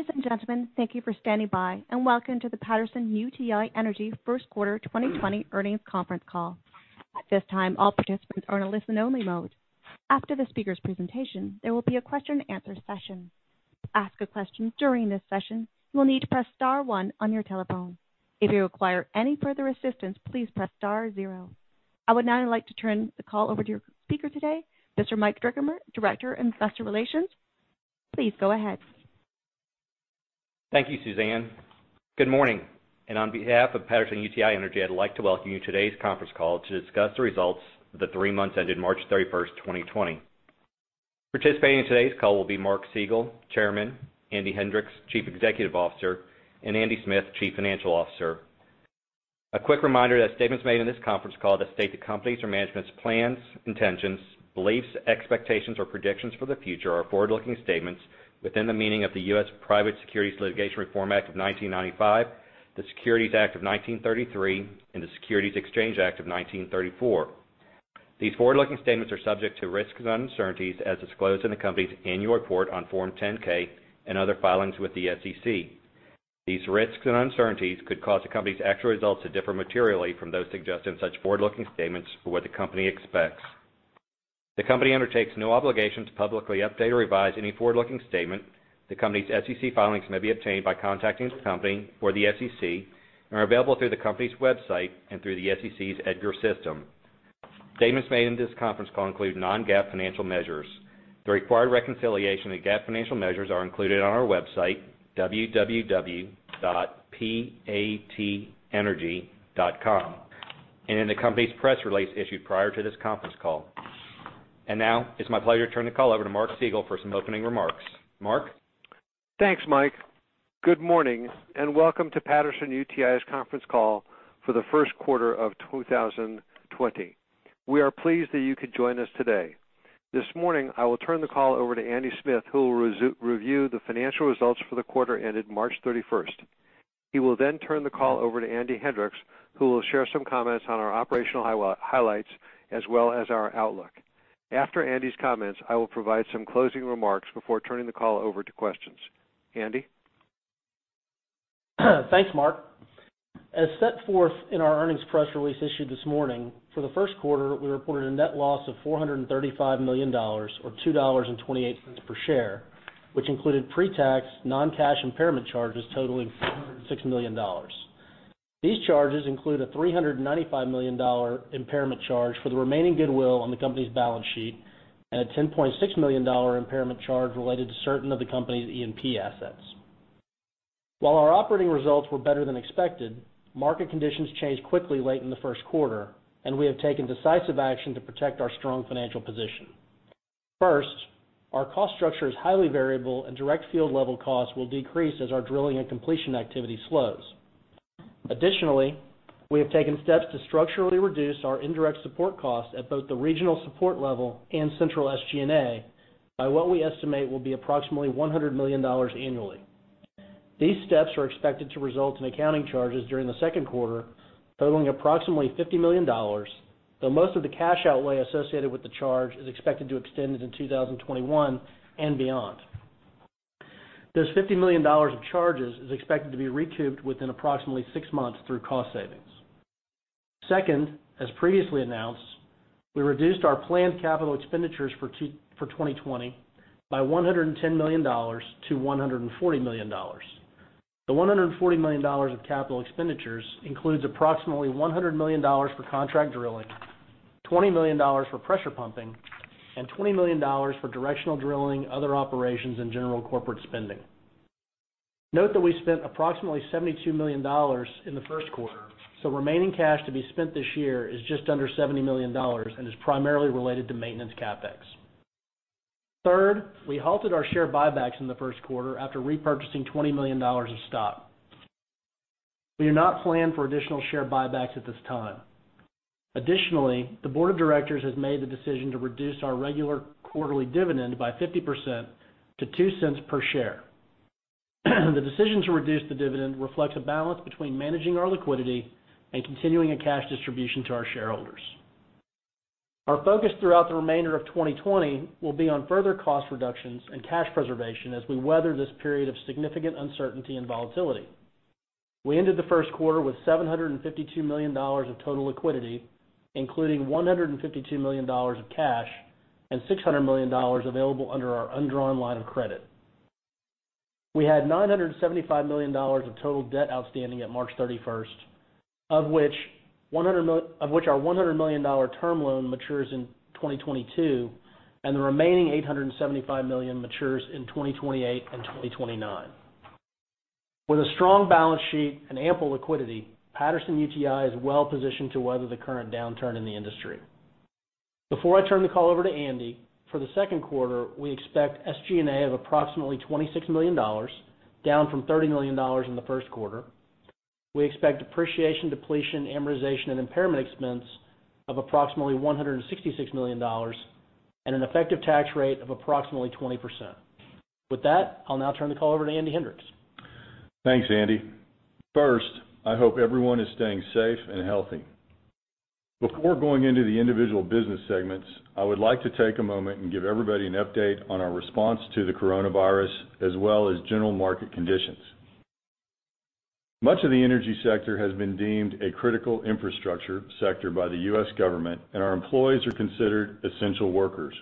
Ladies and gentlemen, thank you for standing by, and welcome to the Patterson-UTI Energy first quarter 2020 earnings conference call. At this time, all participants are in a listen-only mode. After the speaker's presentation, there will be a question and answer session. To ask a question during this session, you will need to press star one on your telephone. If you require any further assistance, please press star zero. I would now like to turn the call over to your speaker today, Mr. Mike Drickamer, Director of Investor Relations. Please go ahead. Thank you, Suzanne. Good morning, and on behalf of Patterson-UTI Energy, I'd like to welcome you to today's conference call to discuss the results for the three months ending March 31st, 2020. Participating in today's call will be Mark Siegel, Chairman; Andy Hendricks, Chief Executive Officer; and Andy Smith, Chief Financial Officer. A quick reminder that statements made in this conference call that state the company's or management's plans, intentions, beliefs, expectations, or predictions for the future are forward-looking statements within the meaning of the U.S. Private Securities Litigation Reform Act of 1995, the Securities Act of 1933, and the Securities Exchange Act of 1934. These forward-looking statements are subject to risks and uncertainties as disclosed in the company's annual report on Form 10-K and other filings with the SEC. These risks and uncertainties could cause the company's actual results to differ materially from those suggested in such forward-looking statements for what the company expects. The company undertakes no obligation to publicly update or revise any forward-looking statement. The company's SEC filings may be obtained by contacting the company or the SEC, and are available through the company's website and through the SEC's EDGAR system. Statements made in this conference call include non-GAAP financial measures. The required reconciliation of the GAAP financial measures are included on our website, patenergy.com, and in the company's press release issued prior to this conference call. Now, it's my pleasure to turn the call over to Mark Siegel for some opening remarks. Mark? Thanks, Mike. Good morning. Welcome to Patterson-UTI's conference call for the first quarter of 2020. We are pleased that you could join us today. This morning, I will turn the call over to Andy Smith, who will review the financial results for the quarter ending March 31st. He will turn the call over to Andy Hendricks, who will share some comments on our operational highlights as well as our outlook. After Andy's comments, I will provide some closing remarks before turning the call over to questions. Andy? Thanks, Mark. As set forth in our earnings press release issued this morning, for the first quarter, we reported a net loss of $435 million, or $2.28 per share, which included pre-tax non-cash impairment charges totaling $406 million. These charges include a $395 million impairment charge for the remaining goodwill on the company's balance sheet and a $10.6 million impairment charge related to certain of the company's E&P assets. While our operating results were better than expected, market conditions changed quickly late in the first quarter, and we have taken decisive action to protect our strong financial position. First, our cost structure is highly variable, and direct field-level costs will decrease as our drilling and completion activity slows. Additionally, we have taken steps to structurally reduce our indirect support costs at both the regional support level and central SG&A by what we estimate will be approximately $100 million annually. These steps are expected to result in accounting charges during the second quarter totaling approximately $50 million, though most of the cash outlay associated with the charge is expected to extend into 2021 and beyond. Those $50 million of charges is expected to be recouped within approximately six months through cost savings. Second, as previously announced, we reduced our planned capital expenditures for 2020 by $110 million-$140 million. The $140 million of capital expenditures includes approximately $100 million for contract drilling, $20 million for pressure pumping, and $20 million for directional drilling, other operations, and general corporate spending. Note that we spent approximately $72 million in the first quarter, so remaining cash to be spent this year is just under $70 million and is primarily related to maintenance CapEx. Third, we halted our share buybacks in the first quarter after repurchasing $20 million of stock. We do not plan for additional share buybacks at this time. Additionally, the board of directors has made the decision to reduce our regular quarterly dividend by 50% to $0.02 per share. The decision to reduce the dividend reflects a balance between managing our liquidity and continuing a cash distribution to our shareholders. Our focus throughout the remainder of 2020 will be on further cost reductions and cash preservation as we weather this period of significant uncertainty and volatility. We ended the first quarter with $752 million of total liquidity, including $152 million of cash and $600 million available under our undrawn line of credit. We had $975 million of total debt outstanding at March 31st, of which our $100 million term loan matures in 2022 and the remaining $875 million matures in 2028 and 2029. With a strong balance sheet and ample liquidity, Patterson-UTI is well positioned to weather the current downturn in the industry. Before I turn the call over to Andy, for the second quarter, we expect SG&A of approximately $26 million, down from $30 million in the first quarter. We expect depreciation, depletion, amortization, and impairment expense of approximately $166 million and an effective tax rate of approximately 20%. With that, I'll now turn the call over to Andy Hendricks. Thanks, Andy. First, I hope everyone is staying safe and healthy. Before going into the individual business segments, I would like to take a moment and give everybody an update on our response to the coronavirus, as well as general market conditions. Much of the energy sector has been deemed a critical infrastructure sector by the U.S. government, and our employees are considered essential workers.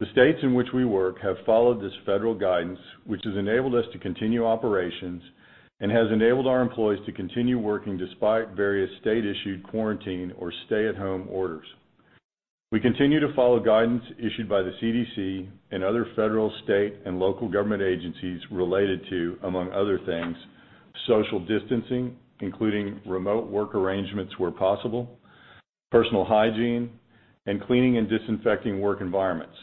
The states in which we work have followed this federal guidance, which has enabled us to continue operations and has enabled our employees to continue working despite various state-issued quarantine or stay-at-home orders. We continue to follow guidance issued by the CDC and other federal, state, and local government agencies related to, among other things, social distancing, including remote work arrangements where possible, personal hygiene, and cleaning and disinfecting work environments.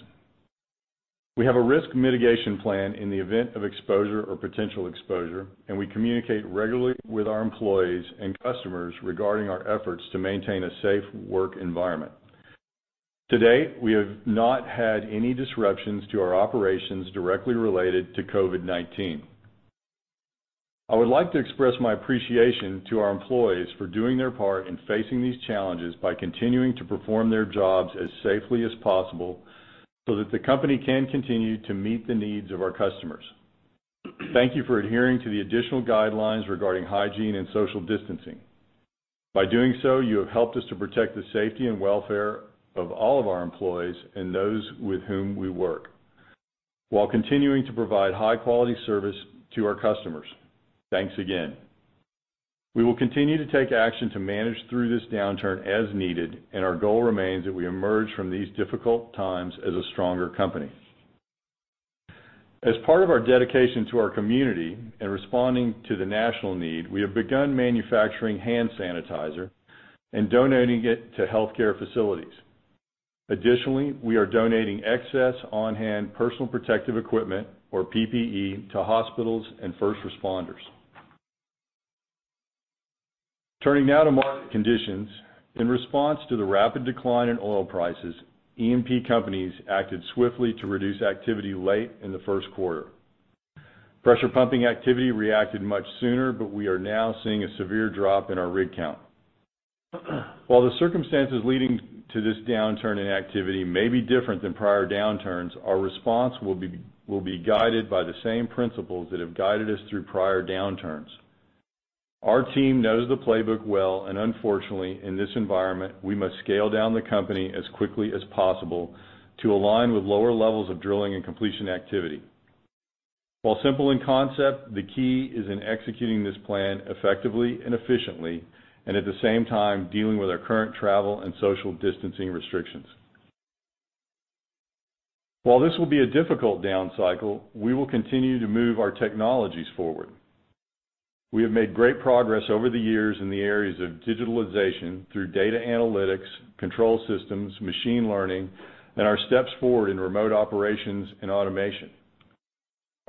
We have a risk mitigation plan in the event of exposure or potential exposure, and we communicate regularly with our employees and customers regarding our efforts to maintain a safe work environment. To date, we have not had any disruptions to our operations directly related to COVID-19. I would like to express my appreciation to our employees for doing their part in facing these challenges by continuing to perform their jobs as safely as possible so that the company can continue to meet the needs of our customers. Thank you for adhering to the additional guidelines regarding hygiene and social distancing. By doing so, you have helped us to protect the safety and welfare of all of our employees and those with whom we work, while continuing to provide high-quality service to our customers. Thanks again. We will continue to take action to manage through this downturn as needed. Our goal remains that we emerge from these difficult times as a stronger company. As part of our dedication to our community in responding to the national need, we have begun manufacturing hand sanitizer and donating it to healthcare facilities. Additionally, we are donating excess on-hand personal protective equipment, or PPE, to hospitals and first responders. Turning now to market conditions. In response to the rapid decline in oil prices, E&P companies acted swiftly to reduce activity late in the first quarter. Pressure pumping activity reacted much sooner, we are now seeing a severe drop in our rig count. While the circumstances leading to this downturn in activity may be different than prior downturns, our response will be guided by the same principles that have guided us through prior downturns. Our team knows the playbook well, and unfortunately, in this environment, we must scale down the company as quickly as possible to align with lower levels of drilling and completion activity. While simple in concept, the key is in executing this plan effectively and efficiently, and at the same time, dealing with our current travel and social distancing restrictions. While this will be a difficult down cycle, we will continue to move our technologies forward. We have made great progress over the years in the areas of digitalization through data analytics, control systems, machine learning, and our steps forward in remote operations and automation.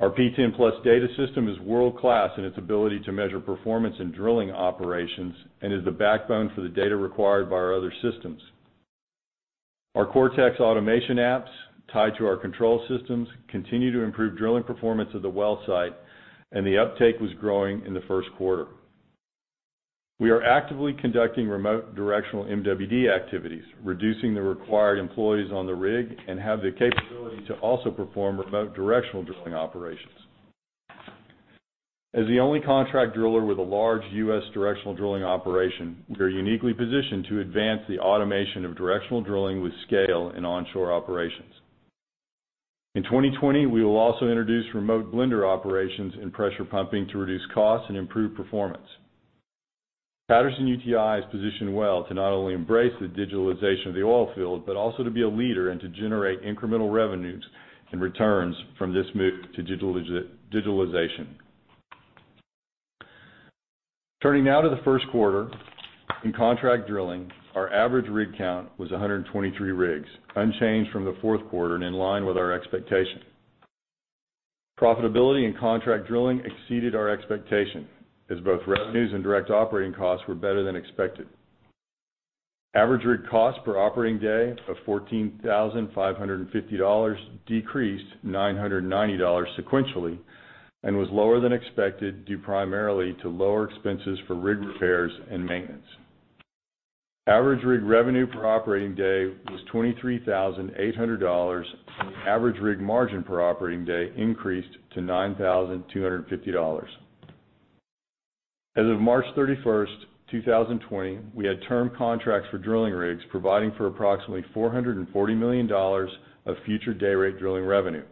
Our P10+ data system is world-class in its ability to measure performance in drilling operations and is the backbone for the data required by our other systems. Our Cortex automation apps, tied to our control systems, continue to improve drilling performance of the well site, and the uptake was growing in the first quarter. We are actively conducting remote directional MWD activities, reducing the required employees on the rig, and have the capability to also perform remote directional drilling operations. As the only contract driller with a large U.S. directional drilling operation, we are uniquely positioned to advance the automation of directional drilling with scale in onshore operations. In 2020, we will also introduce remote blender operations and pressure pumping to reduce costs and improve performance. Patterson-UTI is positioned well to not only embrace the digitalization of the oil field, but also to be a leader and to generate incremental revenues and returns from this move to digitalization. Turning now to the first quarter. In contract drilling, our average rig count was 123 rigs, unchanged from the fourth quarter and in line with our expectation. Profitability in contract drilling exceeded our expectation as both revenues and direct operating costs were better than expected. Average rig cost per operating day of $14,550 decreased $990 sequentially and was lower than expected, due primarily to lower expenses for rig repairs and maintenance. Average rig revenue per operating day was $23,800, and average rig margin per operating day increased to $9,250. As of March 31st, 2020, we had term contracts for drilling rigs, providing for approximately $440 million of future dayrate drilling revenue.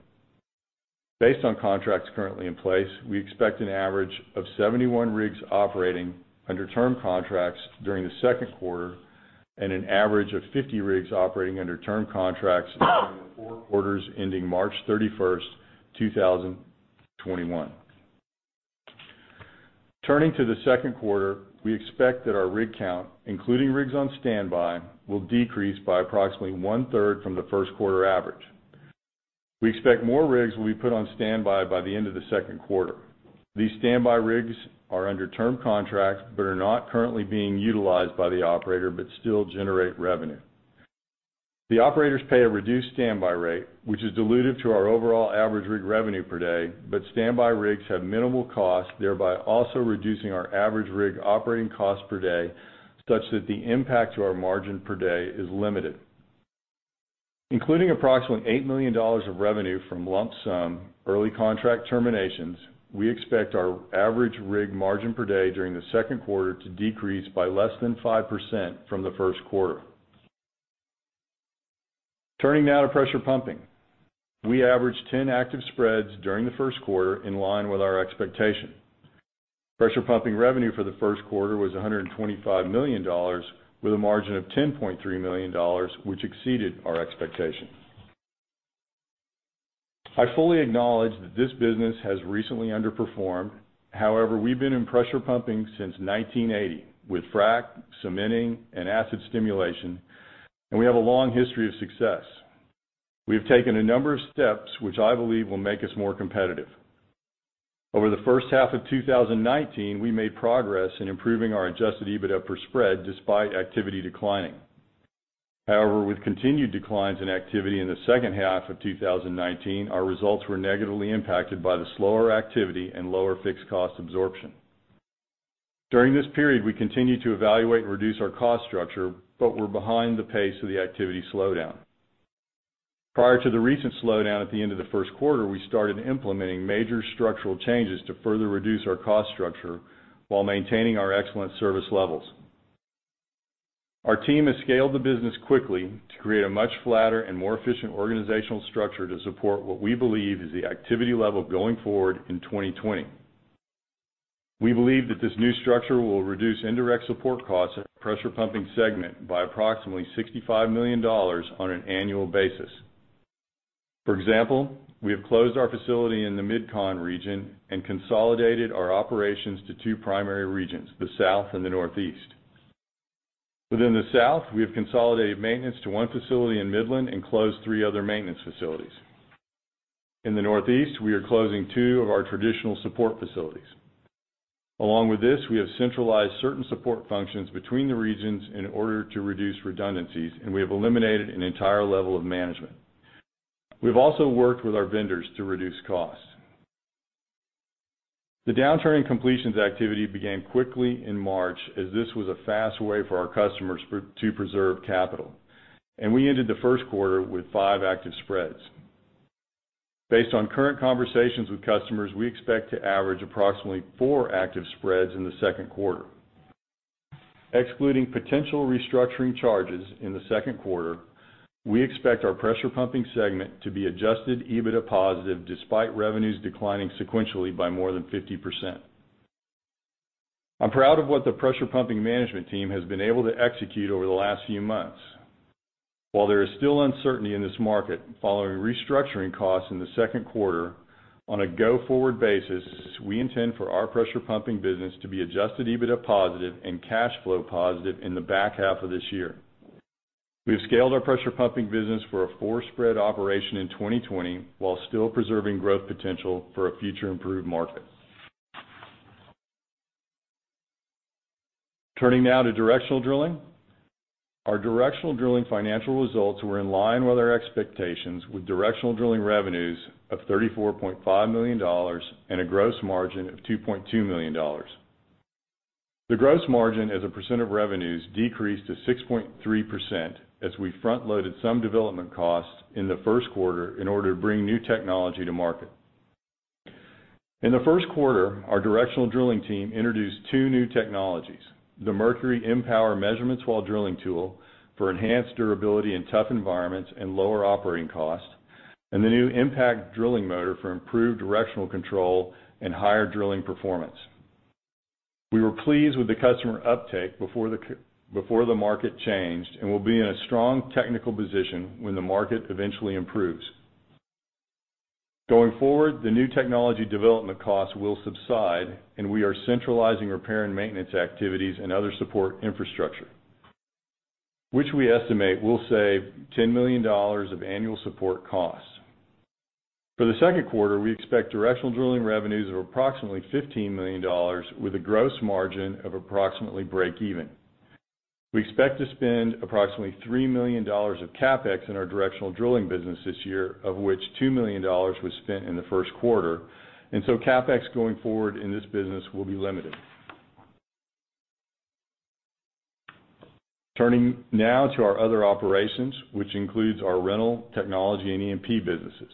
Based on contracts currently in place, we expect an average of 71 rigs operating under term contracts during the second quarter and an average of four quarters operating under term contracts during the four quarters ending March 31st, 2021. Turning to the second quarter, we expect that our rig count, including rigs on standby, will decrease by approximately 1/3 from the first quarter average. We expect more rigs will be put on standby by the end of the second quarter. These standby rigs are under term contracts but are not currently being utilized by the operator, but still generate revenue. The operators pay a reduced standby rate, which is dilutive to our overall average rig revenue per day, but standby rigs have minimal cost, thereby also reducing our average rig operating cost per day such that the impact to our margin per day is limited. Including approximately $8 million of revenue from lump sum early contract terminations, we expect our average rig margin per day during the second quarter to decrease by less than 5% from the first quarter. Turning now to pressure pumping. We averaged 10 active spreads during the first quarter, in line with our expectation. Pressure pumping revenue for the first quarter was $125 million, with a margin of $10.3 million, which exceeded our expectation. I fully acknowledge that this business has recently underperformed. However, we've been in pressure pumping since 1980 with frack, cementing, and acid stimulation, and we have a long history of success. We have taken a number of steps which I believe will make us more competitive. Over the first half of 2019, we made progress in improving our adjusted EBITDA per spread despite activity declining. However, with continued declines in activity in the second half of 2019, our results were negatively impacted by the slower activity and lower fixed cost absorption. During this period, we continued to evaluate and reduce our cost structure, but were behind the pace of the activity slowdown. Prior to the recent slowdown at the end of the first quarter, we started implementing major structural changes to further reduce our cost structure while maintaining our excellent service levels. Our team has scaled the business quickly to create a much flatter and more efficient organizational structure to support what we believe is the activity level going forward in 2020. We believe that this new structure will reduce indirect support costs in our pressure pumping segment by approximately $65 million on an annual basis. For example, we have closed our facility in the Mid-Con region and consolidated our operations to two primary regions, the South and the Northeast. Within the South, we have consolidated maintenance to 1 facility in Midland and closed three other maintenance facilities. In the Northeast, we are closing two of our traditional support facilities. Along with this, we have centralized certain support functions between the regions in order to reduce redundancies, and we have eliminated an entire level of management. We've also worked with our vendors to reduce costs. The downturn in completions activity began quickly in March, as this was a fast way for our customers to preserve capital. We ended the first quarter with five active spreads. Based on current conversations with customers, we expect to average approximately four active spreads in the second quarter. Excluding potential restructuring charges in the second quarter, we expect our pressure pumping segment to be adjusted EBITDA positive despite revenues declining sequentially by more than 50%. I'm proud of what the pressure pumping management team has been able to execute over the last few months. While there is still uncertainty in this market following restructuring costs in the second quarter, on a go-forward basis, we intend for our pressure pumping business to be adjusted EBITDA positive and cash flow positive in the back half of this year. We have scaled our pressure pumping business for a four-spread operation in 2020 while still preserving growth potential for a future improved market. Turning now to directional drilling. Our directional drilling financial results were in line with our expectations with directional drilling revenues of $34.5 million and a gross margin of $2.2 million. The gross margin as a % of revenues decreased to 6.3% as we front-loaded some development costs in the first quarter in order to bring new technology to market. In the first quarter, our directional drilling team introduced two new technologies, the Mercury M-Power measurement while drilling tool for enhanced durability in tough environments and lower operating costs, and the new Mpact drilling motor for improved directional control and higher drilling performance. We were pleased with the customer uptake before the market changed and will be in a strong technical position when the market eventually improves. Going forward, the new technology development costs will subside, and we are centralizing repair and maintenance activities and other support infrastructure, which we estimate will save $10 million of annual support costs. For the second quarter, we expect directional drilling revenues of approximately $15 million with a gross margin of approximately break even. We expect to spend approximately $3 million of CapEx in our directional drilling business this year, of which $2 million was spent in the first quarter. CapEx going forward in this business will be limited. Turning now to our other operations, which includes our rental, technology, and E&P businesses.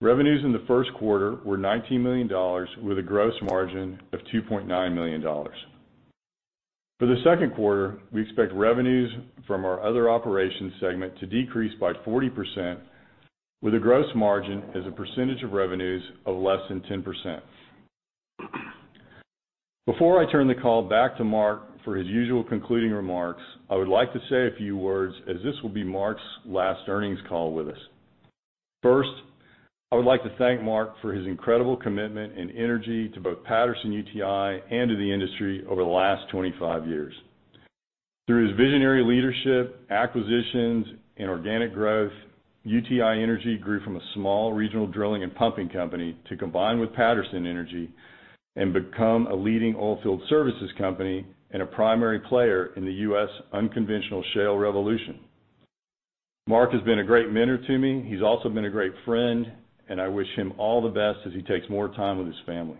Revenues in the first quarter were $19 million, with a gross margin of $2.9 million. For the second quarter, we expect revenues from our other operations segment to decrease by 40%, with a gross margin as a percentage of revenues of less than 10%. Before I turn the call back to Mark for his usual concluding remarks, I would like to say a few words as this will be Mark's last earnings call with us. First, I would like to thank Mark for his incredible commitment and energy to both Patterson-UTI and to the industry over the last 25 years. Through his visionary leadership, acquisitions, and organic growth, UTI Energy grew from a small regional drilling and pumping company to combine with Patterson Energy. Become a leading oilfield services company and a primary player in the U.S. unconventional shale revolution. Mark has been a great mentor to me. He's also been a great friend, and I wish him all the best as he takes more time with his family.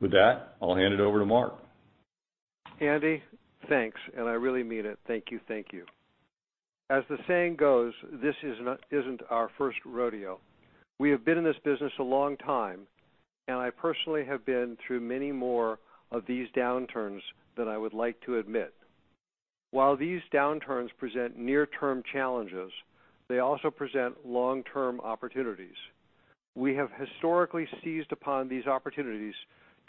With that, I'll hand it over to Mark. Andy, thanks. I really mean it. Thank you. As the saying goes, this isn't our first rodeo. We have been in this business a long time, and I personally have been through many more of these downturns than I would like to admit. While these downturns present near-term challenges, they also present long-term opportunities. We have historically seized upon these opportunities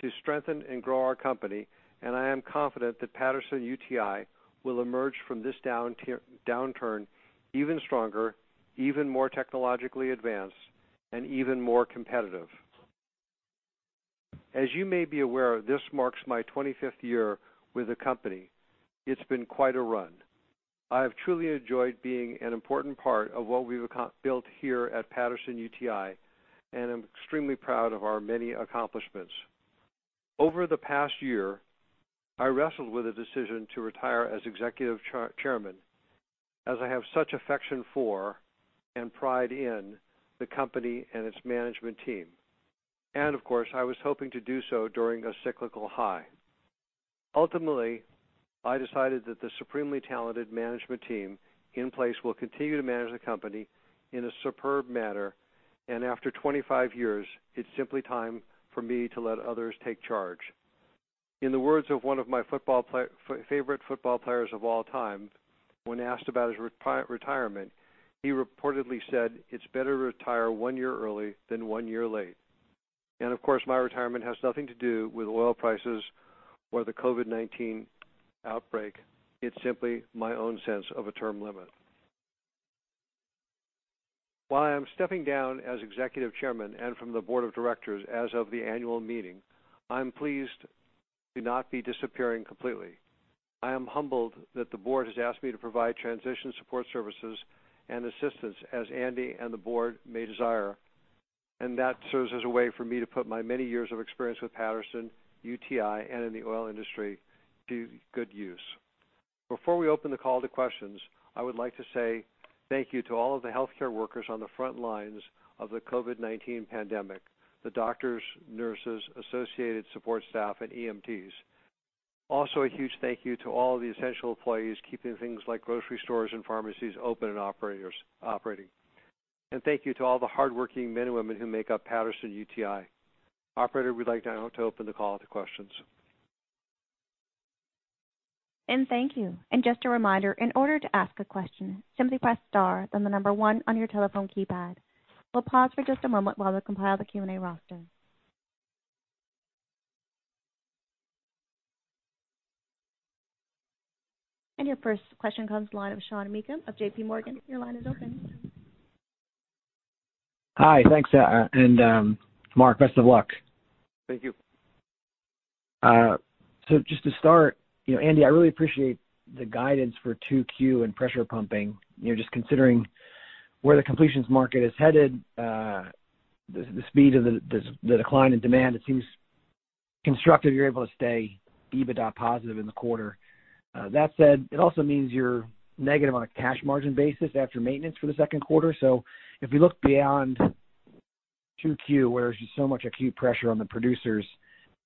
to strengthen and grow our company, and I am confident that Patterson-UTI will emerge from this downturn even stronger, even more technologically advanced, and even more competitive. As you may be aware, this marks my 25th year with the company. It's been quite a run. I have truly enjoyed being an important part of what we've built here at Patterson-UTI, and I'm extremely proud of our many accomplishments. Over the past year, I wrestled with the decision to retire as executive chairman, as I have such affection for and pride in the company and its management team. Of course, I was hoping to do so during a cyclical high. Ultimately, I decided that the supremely talented management team in place will continue to manage the company in a superb manner, and after 25 years, it's simply time for me to let others take charge. In the words of one of my favorite football players of all time, when asked about his retirement, he reportedly said, "It's better to retire one year early than one year late." Of course, my retirement has nothing to do with oil prices or the COVID-19 outbreak. It's simply my own sense of a term limit. While I am stepping down as Executive Chairman and from the Board of Directors as of the annual meeting, I'm pleased to not be disappearing completely. I am humbled that the Board has asked me to provide transition support services and assistance as Andy and the Board may desire, that serves as a way for me to put my many years of experience with Patterson-UTI and in the oil industry to good use. Before we open the call to questions, I would like to say thank you to all of the healthcare workers on the front lines of the COVID-19 pandemic, the doctors, nurses, associated support staff, and EMTs. A huge thank you to all the essential employees keeping things like grocery stores and pharmacies open and operating. Thank you to all the hardworking men and women who make up Patterson-UTI. Operator, we'd like now to open the call to questions. Thank you. Just a reminder, in order to ask a question, simply press star, then the number one on your telephone keypad. We'll pause for just a moment while we compile the Q&A roster. Your first question comes to the line of Sean Meakim of JPMorgan. Your line is open. Hi. Thanks, and Mark, best of luck. Thank you. Just to start, Andy, I really appreciate the guidance for two Q and pressure pumping. Just considering where the completions market is headed, the speed of the decline in demand, it seems constructive you're able to stay EBITDA positive in the quarter. That said, it also means you're negative on a cash margin basis after maintenance for the second quarter. If we look beyond two Q, where there's just so much acute pressure on the producers,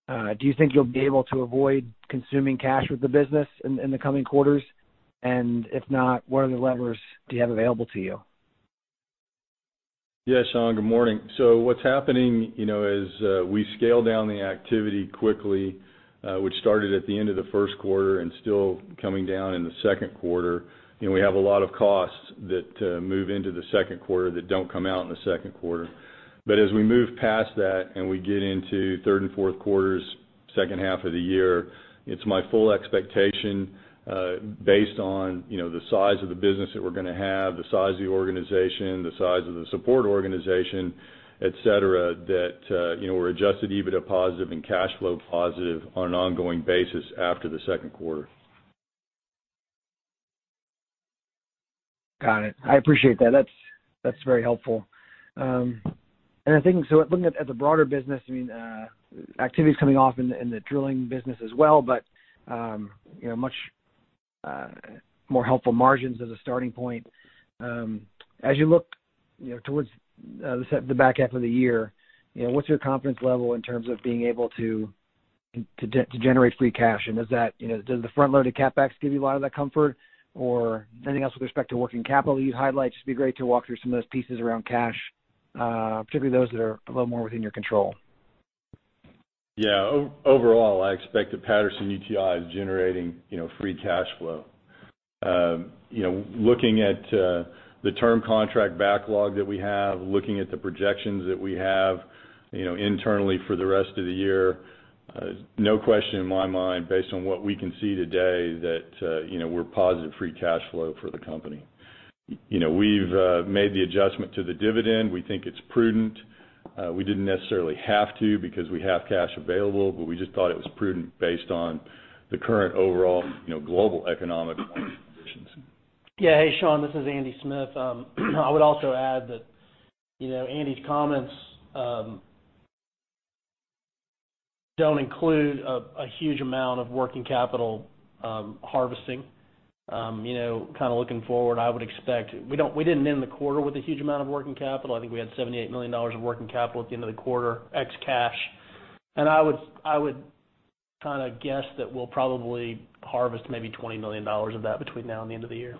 do you think you'll be able to avoid consuming cash with the business in the coming quarters? If not, what other levers do you have available to you? Yeah, Sean, good morning. What's happening is we scaled down the activity quickly, which started at the end of the first quarter and still coming down in the second quarter. We have a lot of costs that move into the second quarter that don't come out in the second quarter. As we move past that and we get into third and fourth quarters, second half of the year, it's my full expectation based on the size of the business that we're going to have, the size of the organization, the size of the support organization, et cetera, that we're adjusted EBITDA positive and cash flow positive on an ongoing basis after the second quarter. Got it. I appreciate that. That's very helpful. Looking at the broader business, activity's coming off in the drilling business as well, but much more helpful margins as a starting point. As you look towards the back end of the year, what's your confidence level in terms of being able to generate free cash? Does the front load of CapEx give you a lot of that comfort? Anything else with respect to working capital you'd highlight? Just be great to walk through some of those pieces around cash, particularly those that are a little more within your control. Yeah. Overall, I expect that Patterson-UTI is generating free cash flow. Looking at the term contract backlog that we have, looking at the projections that we have internally for the rest of the year, no question in my mind, based on what we can see today, that we're positive free cash flow for the company. We've made the adjustment to the dividend. We think it's prudent. We didn't necessarily have to because we have cash available, but we just thought it was prudent based on the current overall global economic Yeah. Hey, Sean, this is Andy Smith. I would also add that Andy's comments don't include a huge amount of working capital harvesting. Kind of looking forward, we didn't end the quarter with a huge amount of working capital. I think we had $78 million of working capital at the end of the quarter, ex cash. I would kind of guess that we'll probably harvest maybe $20 million of that between now and the end of the year.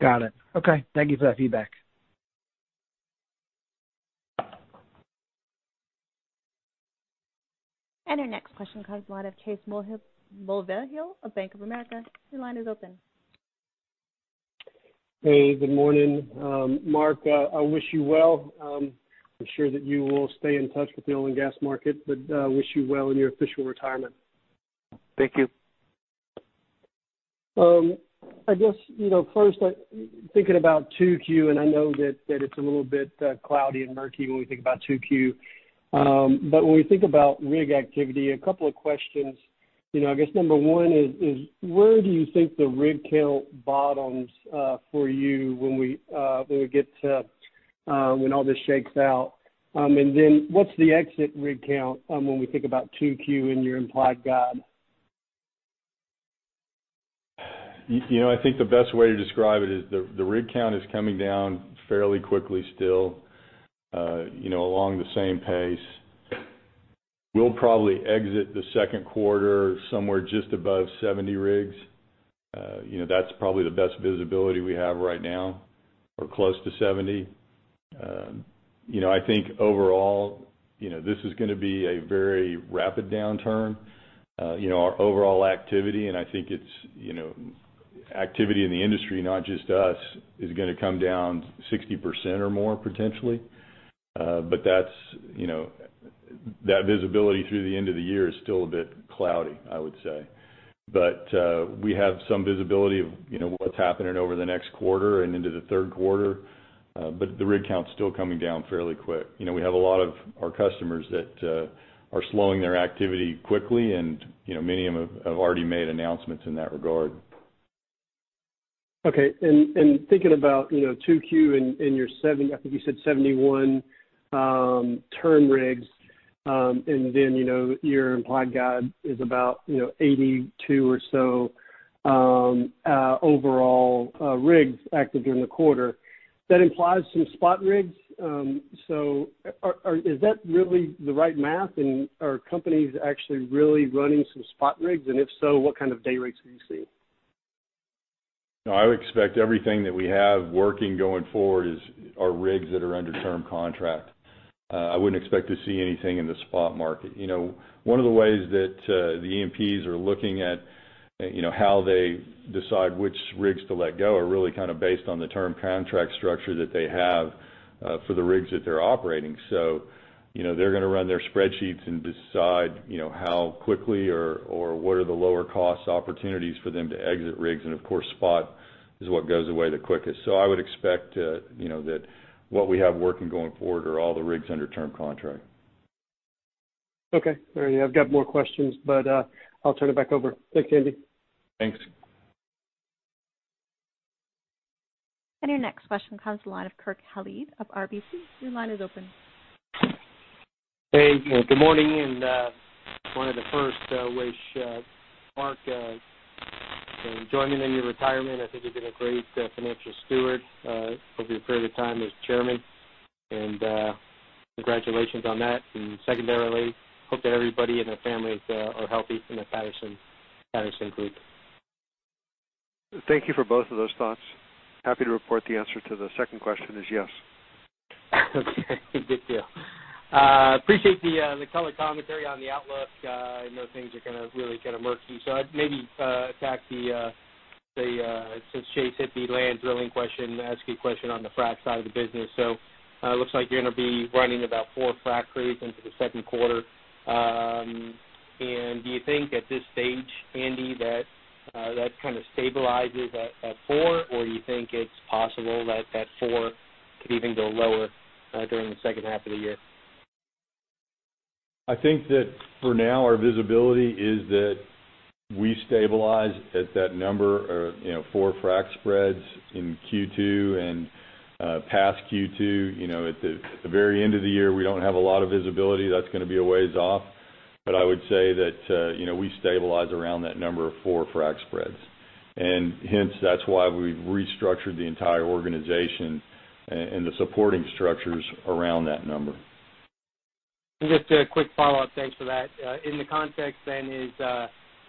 Got it. Okay. Thank you for that feedback. Our next question comes from the line of Chase Mulvehill of Bank of America. Your line is open. Hey, good morning. Mark, I wish you well. I'm sure that you will stay in touch with the oil and gas market, but wish you well in your official retirement. Thank you. I guess, first, thinking about 2Q, I know that it's a little bit cloudy and murky when we think about 2Q. When we think about rig activity, a couple of questions. I guess number 1 is where do you think the rig count bottoms for you when all this shakes out? Then what's the exit rig count when we think about 2Q and your implied guide? I think the best way to describe it is the rig count is coming down fairly quickly still, along the same pace. We'll probably exit the second quarter somewhere just above 70 rigs. That's probably the best visibility we have right now, or close to 70. I think overall, this is going to be a very rapid downturn. Our overall activity, and I think it's activity in the industry, not just us, is going to come down 60% or more, potentially. That visibility through the end of the year is still a bit cloudy, I would say. We have some visibility of what's happening over the next quarter and into the third quarter. The rig count's still coming down fairly quick. We have a lot of our customers that are slowing their activity quickly, and many of them have already made announcements in that regard. Okay. Thinking about 2Q and your, I think you said 71 term rigs. Your implied guide is about 82 or so overall rigs active during the quarter. That implies some spot rigs. Is that really the right math, and are companies actually really running some spot rigs? If so, what kind of day rates are you seeing? No, I would expect everything that we have working going forward are rigs that are under term contract. I wouldn't expect to see anything in the spot market. One of the ways that the E&Ps are looking at how they decide which rigs to let go are really kind of based on the term contract structure that they have for the rigs that they're operating. They're going to run their spreadsheets and decide how quickly or what are the lower cost opportunities for them to exit rigs. Of course, spot is what goes away the quickest. I would expect that what we have working going forward are all the rigs under term contract. Okay. All right. I've got more questions, I'll turn it back over. Thanks, Andy. Thanks. Your next question comes the line of Keith Mackey of RBC. Your line is open. Hey, good morning. Wanted to first wish Mark enjoyment in your retirement. I think you've been a great financial steward over your period of time as chairman. Congratulations on that. Secondarily, hope that everybody and their families are healthy in the Patterson group. Thank you for both of those thoughts. Happy to report the answer to the second question is yes. Okay. Good deal. Appreciate the color commentary on the outlook. I know things are kind of really kind of murky. I'd maybe attack since Chase hit the land drilling question, ask you a question on the frack side of the business. Looks like you're going to be running about four frac crews into the second quarter. Do you think at this stage, Andy, that kind of stabilizes at four, or do you think it's possible that four could even go lower during the second half of the year? I think that for now, our visibility is that we stabilize at that number of four frac spreads in Q2 and past Q2. At the very end of the year, we don't have a lot of visibility. That's going to be a ways off. I would say that we stabilize around that number of four frac spreads. Hence, that's why we've restructured the entire organization and the supporting structures around that number. Just a quick follow-up. Thanks for that. In the context then is the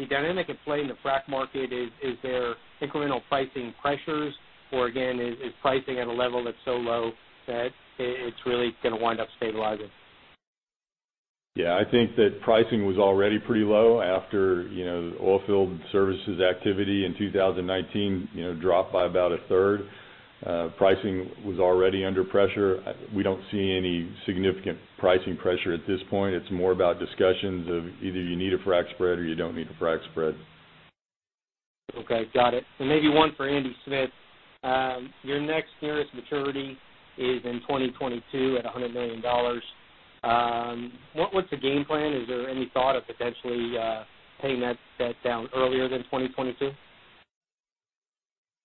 dynamic at play in the frack market is there incremental pricing pressures or again, is pricing at a level that's so low that it's really going to wind up stabilizing? Yeah, I think that pricing was already pretty low after oilfield services activity in 2019 dropped by about a third. Pricing was already under pressure. We don't see any significant pricing pressure at this point. It's more about discussions of either you need a frack spread or you don't need a frack spread. Okay, got it. Maybe one for Andy Smith. Your next nearest maturity is in 2022 at $100 million. What's the game plan? Is there any thought of potentially paying that debt down earlier than 2022?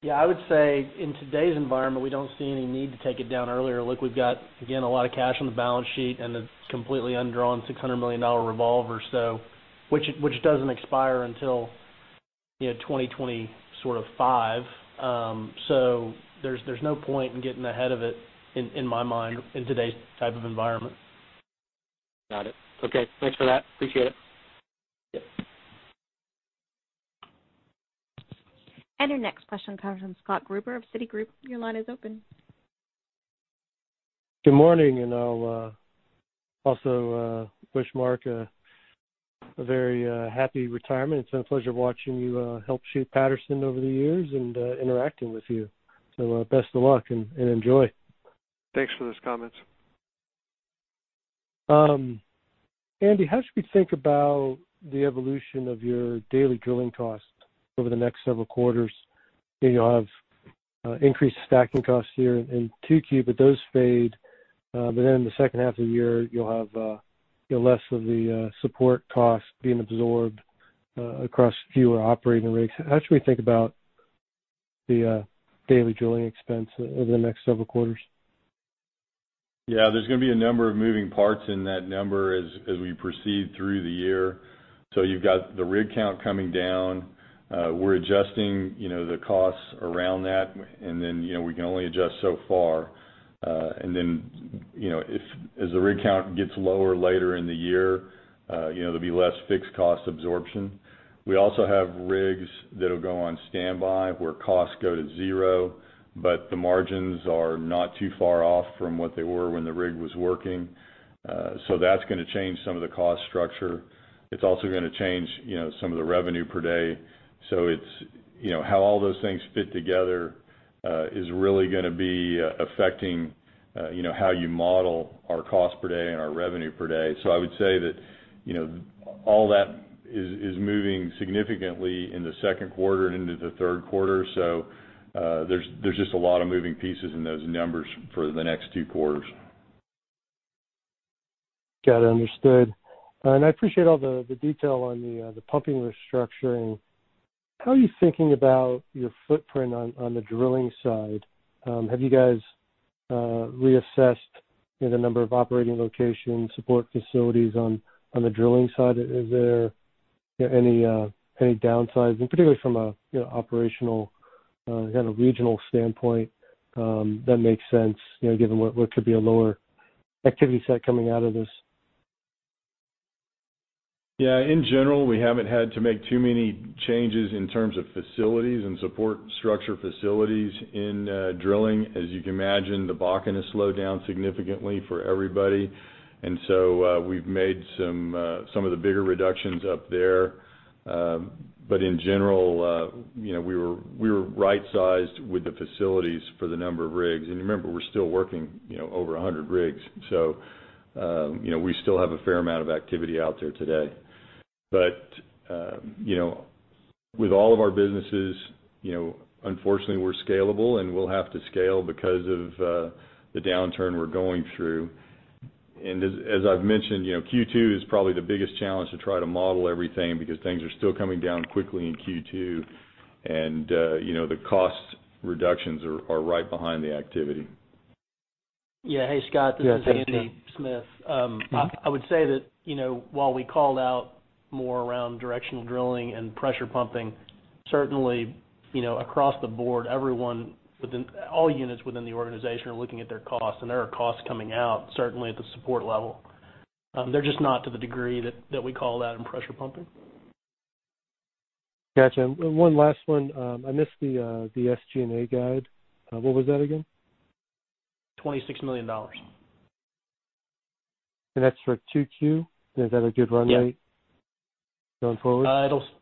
Yeah, I would say in today's environment, we don't see any need to take it down earlier. Look, we've got, again, a lot of cash on the balance sheet and a completely undrawn $600 million revolver, which doesn't expire until 2025. There's no point in getting ahead of it, in my mind, in today's type of environment. Got it. Okay. Thanks for that. Appreciate it. Yep. Your next question comes from Scott Gruber of Citigroup. Your line is open. Good morning. I'll also wish Mark a very happy retirement. It's been a pleasure watching you help shape Patterson over the years and interacting with you. Best of luck, and enjoy. Thanks for those comments. Andy, how should we think about the evolution of your daily drilling cost over the next several quarters? You'll have increased stacking costs here in 2Q. Those fade. In the second half of the year, you'll have less of the support cost being absorbed across fewer operating rigs. How should we think about the daily drilling expense over the next several quarters? Yeah. There's going to be a number of moving parts in that number as we proceed through the year. You've got the rig count coming down. We're adjusting the costs around that, and then we can only adjust so far. As the rig count gets lower later in the year, there'll be less fixed cost absorption. We also have rigs that'll go on standby where costs go to zero, but the margins are not too far off from what they were when the rig was working. That's going to change some of the cost structure. It's also going to change some of the revenue per day. How all those things fit together is really going to be affecting how you model our cost per day and our revenue per day. I would say that all that is moving significantly in the second quarter and into the third quarter. There's just a lot of moving pieces in those numbers for the next two quarters. Got it, understood. I appreciate all the detail on the pumping restructuring. How are you thinking about your footprint on the drilling side? Have you guys reassessed the number of operating locations, support facilities on the drilling side? Is there any downsides, and particularly from an operational, kind of regional standpoint that makes sense, given what could be a lower activity set coming out of this? Yeah. In general, we haven't had to make too many changes in terms of facilities and support structure facilities in drilling. As you can imagine, the Bakken has slowed down significantly for everybody. We've made some of the bigger reductions up there. In general, we were right-sized with the facilities for the number of rigs. Remember, we're still working over 100 rigs. We still have a fair amount of activity out there today. With all of our businesses, unfortunately, we're scalable, and we'll have to scale because of the downturn we're going through. As I've mentioned, Q2 is probably the biggest challenge to try to model everything because things are still coming down quickly in Q2, and the cost reductions are right behind the activity. Yeah. Hey, Scott, this is Andy Smith. I would say that, while we called out more around directional drilling and pressure pumping, certainly, across the board, all units within the organization are looking at their costs, and there are costs coming out, certainly at the support level. They're just not to the degree that we called out in pressure pumping. Got you. One last one. I missed the SG&A guide. What was that again? $26 million. That's for 2Q? Is that a good runway going forward?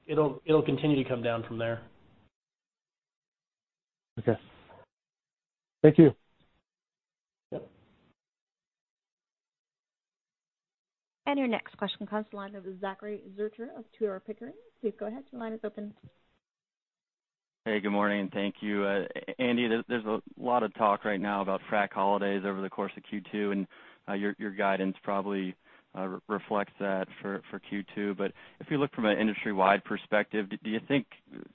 It'll continue to come down from there. Okay. Thank you. Yep. Your next question comes the line of Zachary Zurcher of Tudor, Pickering. Please go ahead. Your line is open. Good morning, and thank you. Andy, there's a lot of talk right now about frack holidays over the course of Q2. Your guidance probably reflects that for Q2. If you look from an industry-wide perspective, do you think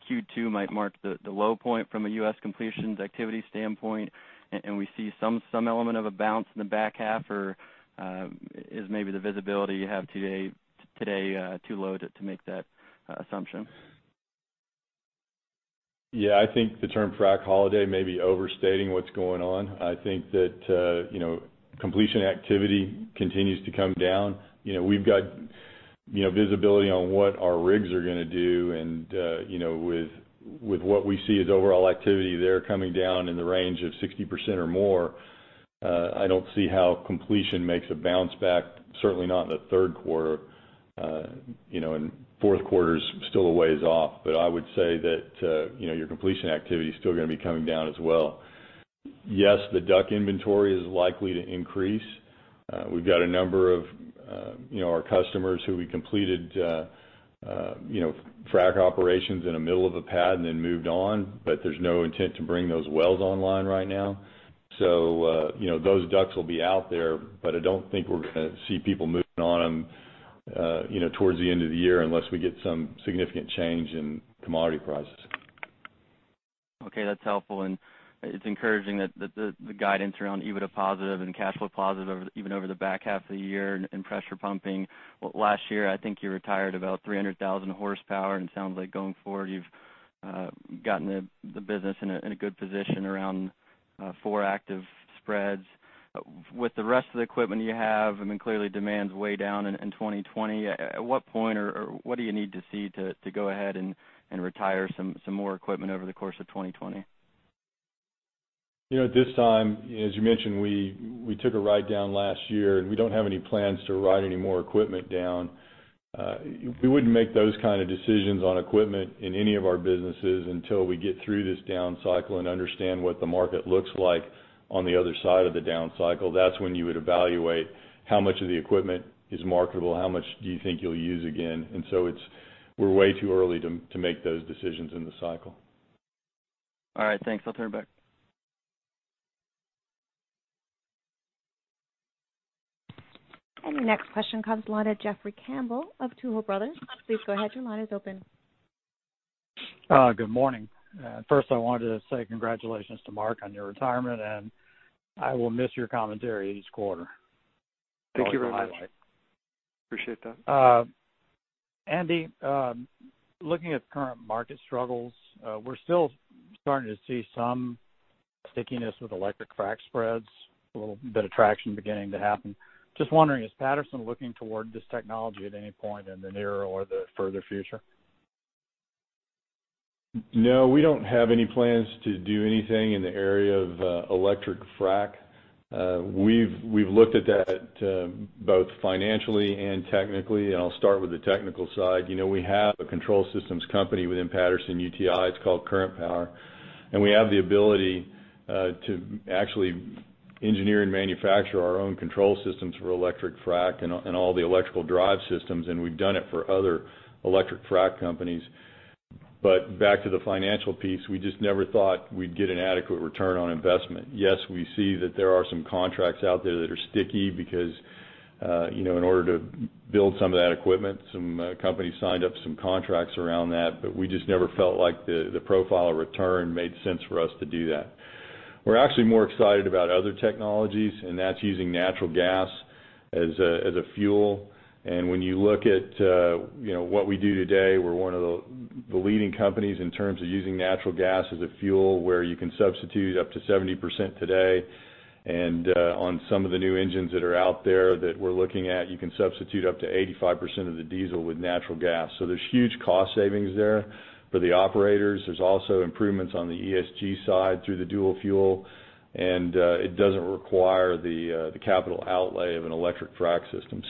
Q2 might mark the low point from a U.S. completions activity standpoint, and we see some element of a bounce in the back half? Is maybe the visibility you have today too low to make that assumption? Yeah. I think the term frac holiday may be overstating what's going on. I think that completion activity continues to come down. We've got visibility on what our rigs are gonna do, and with what we see as overall activity there coming down in the range of 60% or more, I don't see how completion makes a bounce back, certainly not in the third quarter. Fourth quarter's still a ways off. I would say that your completion activity is still going to be coming down as well. Yes, the DUC inventory is likely to increase. We've got a number of our customers who we completed frac operations in the middle of a pad and then moved on, but there's no intent to bring those wells online right now. Those DUCs will be out there, but I don't think we're going to see people moving on them towards the end of the year, unless we get some significant change in commodity prices. Okay, that's helpful. It's encouraging that the guidance around EBITDA positive and cash flow positive even over the back half of the year in pressure pumping. Last year, I think you retired about 300,000 horsepower, and it sounds like going forward, you've gotten the business in a good position around four active spreads. With the rest of the equipment you have, and then clearly demand's way down in 2020, at what point or what do you need to see to go ahead and retire some more equipment over the course of 2020? At this time, as you mentioned, we took a write-down last year, and we don't have any plans to write any more equipment down. We wouldn't make those kind of decisions on equipment in any of our businesses until we get through this down cycle and understand what the market looks like on the other side of the down cycle. That's when you would evaluate how much of the equipment is marketable, how much do you think you'll use again. We're way too early to make those decisions in the cycle. All right, thanks. I will turn it back. Your next question comes the line of Jeffrey Campbell of Tuohy Brothers. Please go ahead. Your line is open. Good morning. First I wanted to say congratulations to Mark on your retirement, and I will miss your commentary each quarter. Thank you very much. Appreciate that. Andy, looking at the current market struggles, we're still starting to see some stickiness with electric frac spreads, a little bit of traction beginning to happen. Just wondering, is Patterson looking toward this technology at any point in the near or the further future? No, we don't have any plans to do anything in the area of electric frac. We've looked at that both financially and technically, and I'll start with the technical side. We have a control systems company within Patterson-UTI. It's called Current Power, and we have the ability to actually engineer and manufacture our own control systems for electric frac and all the electrical drive systems, and we've done it for other electric frac companies. Back to the financial piece, we just never thought we'd get an adequate return on investment. Yes, we see that there are some contracts out there that are sticky because in order to build some of that equipment, some companies signed up some contracts around that, but we just never felt like the profile of return made sense for us to do that. We're actually more excited about other technologies, and that's using natural gas as a fuel. When you look at what we do today, we're one of the leading companies in terms of using natural gas as a fuel, where you can substitute up to 70% today. On some of the new engines that are out there that we're looking at, you can substitute up to 85% of the diesel with natural gas. There's huge cost savings there for the operators. There's also improvements on the ESG side through the dual fuel, and it doesn't require the capital outlay of an electric frac system.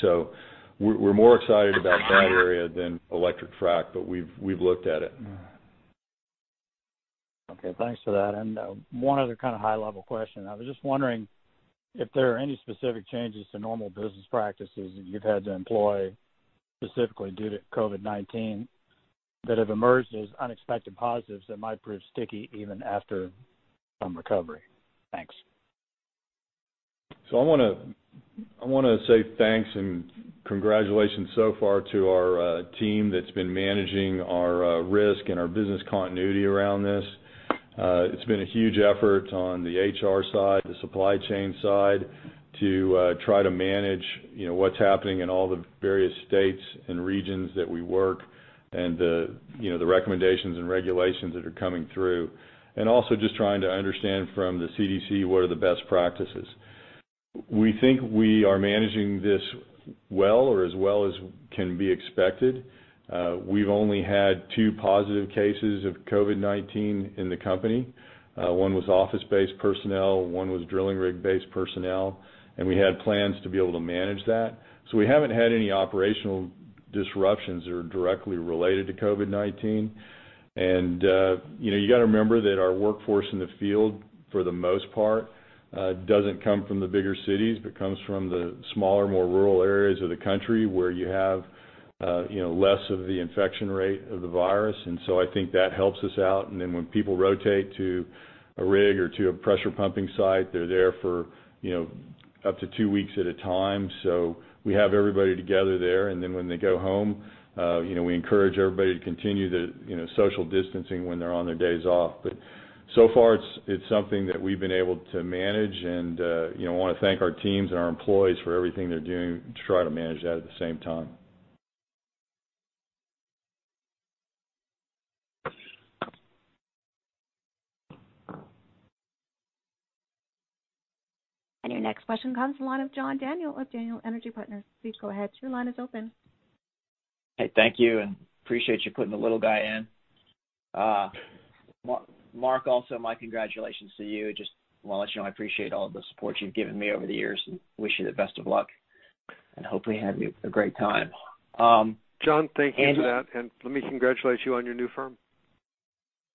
We're more excited about that area than electric frac, but we've looked at it. Okay, thanks for that. One other kind of high-level question. I was just wondering if there are any specific changes to normal business practices that you've had to employ, specifically due to COVID-19, that have emerged as unexpected positives that might prove sticky even after some recovery. Thanks. I want to say thanks and congratulations so far to our team that's been managing our risk and our business continuity around this. It's been a huge effort on the HR side, the supply chain side to try to manage what's happening in all the various states and regions that we work and the recommendations and regulations that are coming through. Also just trying to understand from the CDC, what are the best practices. We think we are managing this well or as well as can be expected. We've only had two positive cases of COVID-19 in the company. One was office-based personnel, one was drilling rig-based personnel, and we had plans to be able to manage that. We haven't had any operational disruptions that are directly related to COVID-19. You got to remember that our workforce in the field, for the most part, doesn't come from the bigger cities, but comes from the smaller, more rural areas of the country where you have less of the infection rate of the virus. I think that helps us out. When people rotate to a rig or to a pressure pumping site, they're there for up to two weeks at a time. We have everybody together there. When they go home, we encourage everybody to continue the social distancing when they're on their days off. So far it's something that we've been able to manage and I want to thank our teams and our employees for everything they're doing to try to manage that at the same time. Your next question comes the line of John Daniel of Daniel Energy Partners. Please go ahead. Your line is open. Hey, thank you, and appreciate you putting the little guy in. Mark, also my congratulations to you. Just want to let you know, I appreciate all the support you've given me over the years and wish you the best of luck, and hope we had a great time. John, thank you for that. Let me congratulate you on your new firm.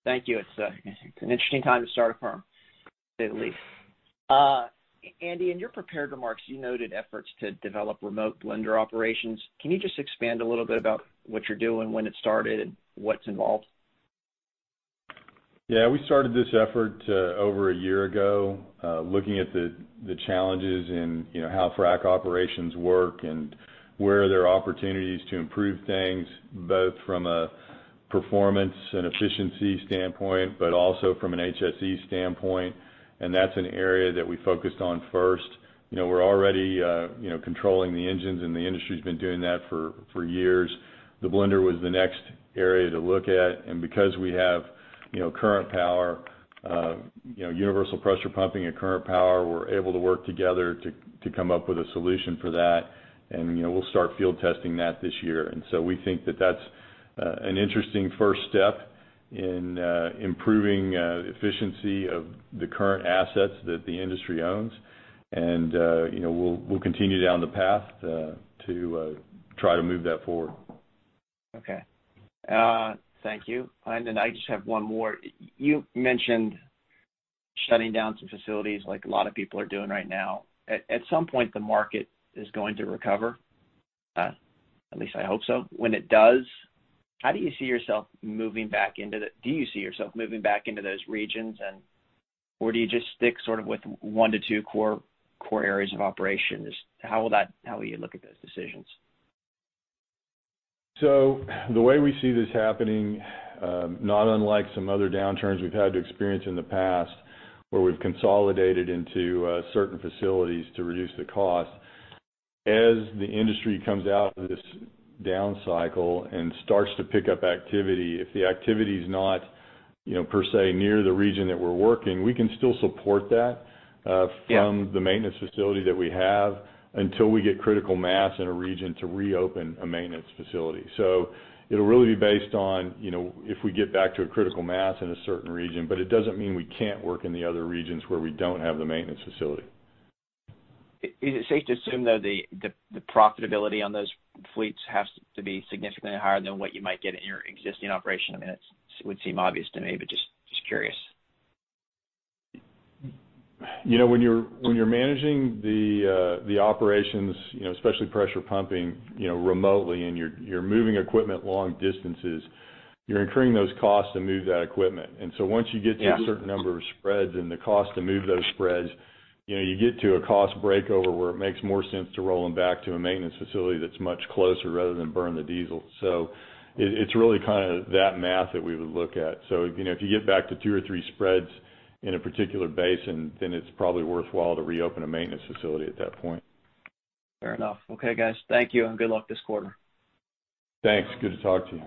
Thank you. It's an interesting time to start a firm, to say the least. Andy, in your prepared remarks, you noted efforts to develop remote blender operations. Can you just expand a little bit about what you're doing, when it started, what's involved? Yeah. We started this effort over a year ago, looking at the challenges in how frac operations work and where there are opportunities to improve things, both from a performance and efficiency standpoint, but also from an HSE standpoint. That's an area that we focused on first. We're already controlling the engines, and the industry's been doing that for years. The blender was the next area to look at. Because we have Current Power, Universal Pressure Pumping and Current Power were able to work together to come up with a solution for that. We'll start field testing that this year. We think that that's an interesting first step in improving efficiency of the current assets that the industry owns. We'll continue down the path to try to move that forward. Okay. Thank you. Then I just have one more. You mentioned shutting down some facilities like a lot of people are doing right now. At some point, the market is going to recover. At least I hope so. When it does, how do you see yourself moving back into those regions? Or do you just stick sort of with one to two core areas of operations? How will you look at those decisions? The way we see this happening, not unlike some other downturns we've had to experience in the past, where we've consolidated into certain facilities to reduce the cost. As the industry comes out of this down cycle and starts to pick up activity, if the activity's not per se near the region that we're working, we can still support that. Yeah from the maintenance facility that we have until we get critical mass in a region to reopen a maintenance facility. It'll really be based on if we get back to a critical mass in a certain region, but it doesn't mean we can't work in the other regions where we don't have the maintenance facility. Is it safe to assume, though, the profitability on those fleets has to be significantly higher than what you might get in your existing operation? It would seem obvious to me, but just curious. When you're managing the operations, especially pressure pumping remotely, and you're moving equipment long distances, you're incurring those costs to move that equipment. Yeah a certain number of spreads and the cost to move those spreads, you get to a cost breakover where it makes more sense to roll them back to a maintenance facility that's much closer rather than burn the diesel. It's really kind of that math that we would look at. If you get back to two or three spreads in a particular basin, then it's probably worthwhile to reopen a maintenance facility at that point. Fair enough. Okay, guys. Thank you, and good luck this quarter. Thanks. Good to talk to you.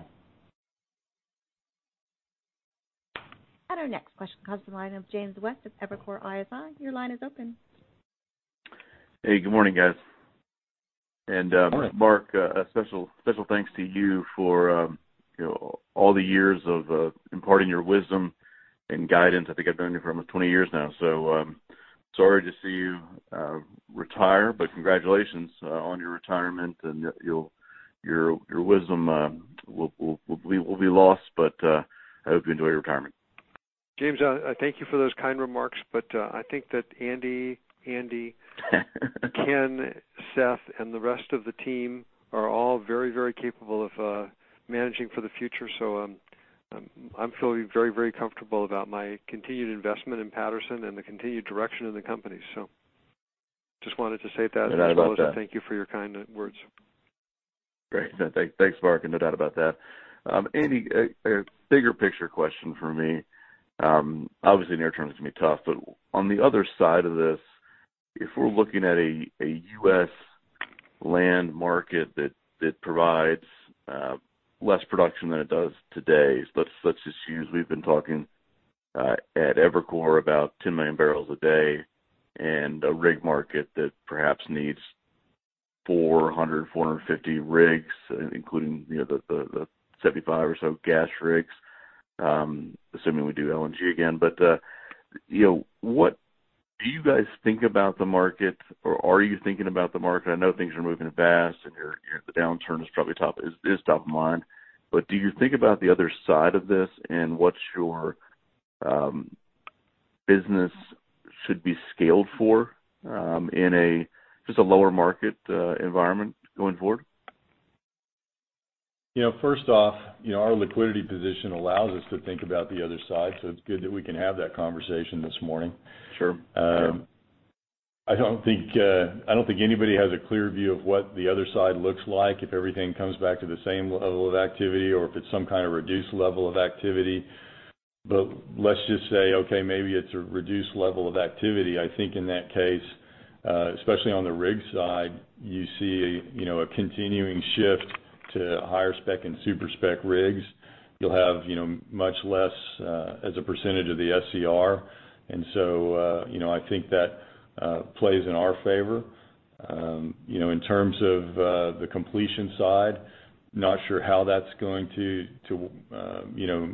Our next question comes from the line of James West of Evercore ISI. Your line is open. Hey, good morning, guys. Good morning. Mark, a special thanks to you for all the years of imparting your wisdom and guidance. I think I've known you for almost 20 years now. Sorry to see you retire, but congratulations on your retirement. Your wisdom will be lost, but I hope you enjoy your retirement. James, I thank you for those kind remarks. I think that Andy, Ken, Seth, and the rest of the team are all very capable of managing for the future. I'm feeling very comfortable about my continued investment in Patterson and the continued direction of the company. Just wanted to say that. No doubt about that. Also, thank you for your kind words. Great. Thanks, Mark. No doubt about that. Andy, a bigger picture question from me. Obviously, near term is going to be tough, but on the other side of this, if we're looking at a U.S. land market that provides less production than it does today. Let's just use, we've been talking at Evercore about 10 million barrels a day and a rig market that perhaps needs 400, 450 rigs, including the 75 or so gas rigs, assuming we do LNG again. What do you guys think about the market? Are you thinking about the market? I know things are moving fast, and the downturn is top of mind. Do you think about the other side of this and what your business should be scaled for in just a lower market environment going forward? First off, our liquidity position allows us to think about the other side. It's good that we can have that conversation this morning. Sure. I don't think anybody has a clear view of what the other side looks like, if everything comes back to the same level of activity, or if it's some kind of reduced level of activity. Let's just say, okay, maybe it's a reduced level of activity. I think in that case, especially on the rig side, you see a continuing shift to higher spec and super spec rigs. You'll have much less as a percentage of the SCR. I think that plays in our favor. In terms of the completion side, not sure how that's going to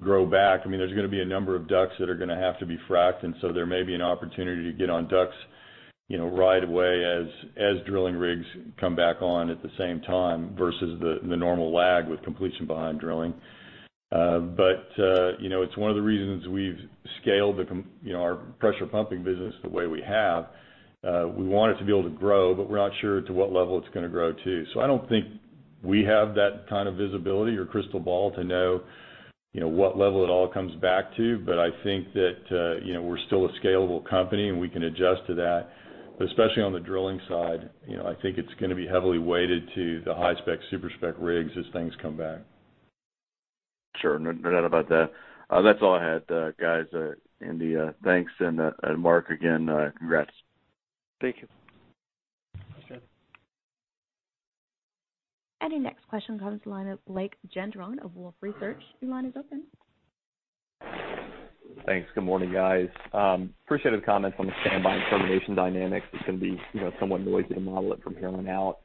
grow back. There's going to be a number of DUCs that are going to have to be fracked, and so there may be an opportunity to get on DUCs right away as drilling rigs come back on at the same time versus the normal lag with completion behind drilling. It's one of the reasons we've scaled our pressure pumping business the way we have. We want it to be able to grow, but we're not sure to what level it's going to grow to. I don't think we have that kind of visibility or crystal ball to know what level it all comes back to. I think that we're still a scalable company, and we can adjust to that, especially on the drilling side. I think it's going to be heavily weighted to the high spec, super spec rigs as things come back. Sure. No doubt about that. That's all I had, guys. Andy, thanks, and Mark, again congrats. Thank you. Thanks, James. The next Blake Gendron of Wolfe Research comes to the line of. Your line is open. Thanks. Good morning, guys. Appreciate the comments on the standby and termination dynamics, which can be somewhat noisy to model it from here on out.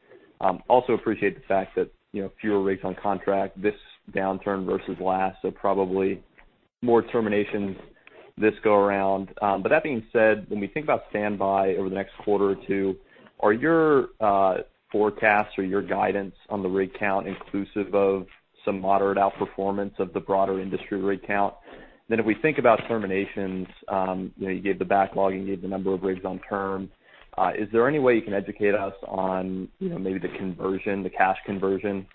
Probably more terminations this go around. That being said, when we think about standby over the next quarter or two, are your forecasts or your guidance on the rig count inclusive of some moderate outperformance of the broader industry rig count? If we think about terminations, you gave the backlog and you gave the number of rigs on term. Is there any way you can educate us on maybe the conversion, the cash conversion,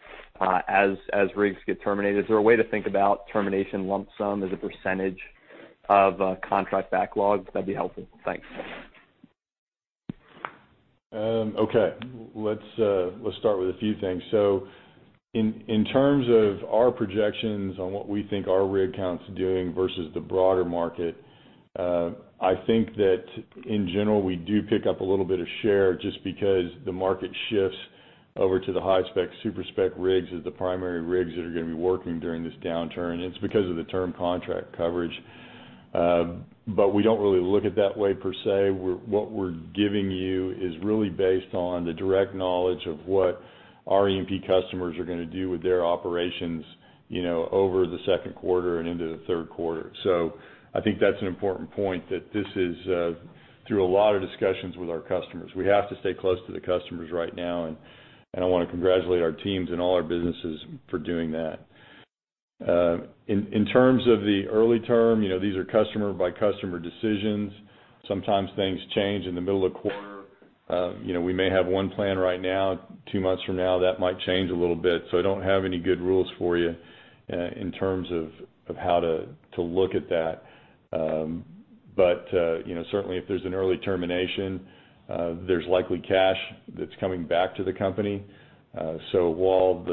as rigs get terminated? Is there a way to think about termination lump sum as a percentage of contract backlog? That'd be helpful. Thanks. Okay. Let's start with a few things. In terms of our projections on what we think our rig count's doing versus the broader market, I think that in general, we do pick up a little bit of share just because the market shifts over to the high spec, super spec rigs as the primary rigs that are going to be working during this downturn. It's because of the term contract coverage. We don't really look at it that way per se. What we're giving you is really based on the direct knowledge of what our E&P customers are going to do with their operations over the second quarter and into the third quarter. I think that's an important point that this is through a lot of discussions with our customers. We have to stay close to the customers right now, and I want to congratulate our teams and all our businesses for doing that. In terms of the early term, these are customer-by-customer decisions. Sometimes things change in the middle of the quarter. We may have one plan right now. Two months from now, that might change a little bit. I don't have any good rules for you in terms of how to look at that. Certainly if there's an early termination, there's likely cash that's coming back to the company. While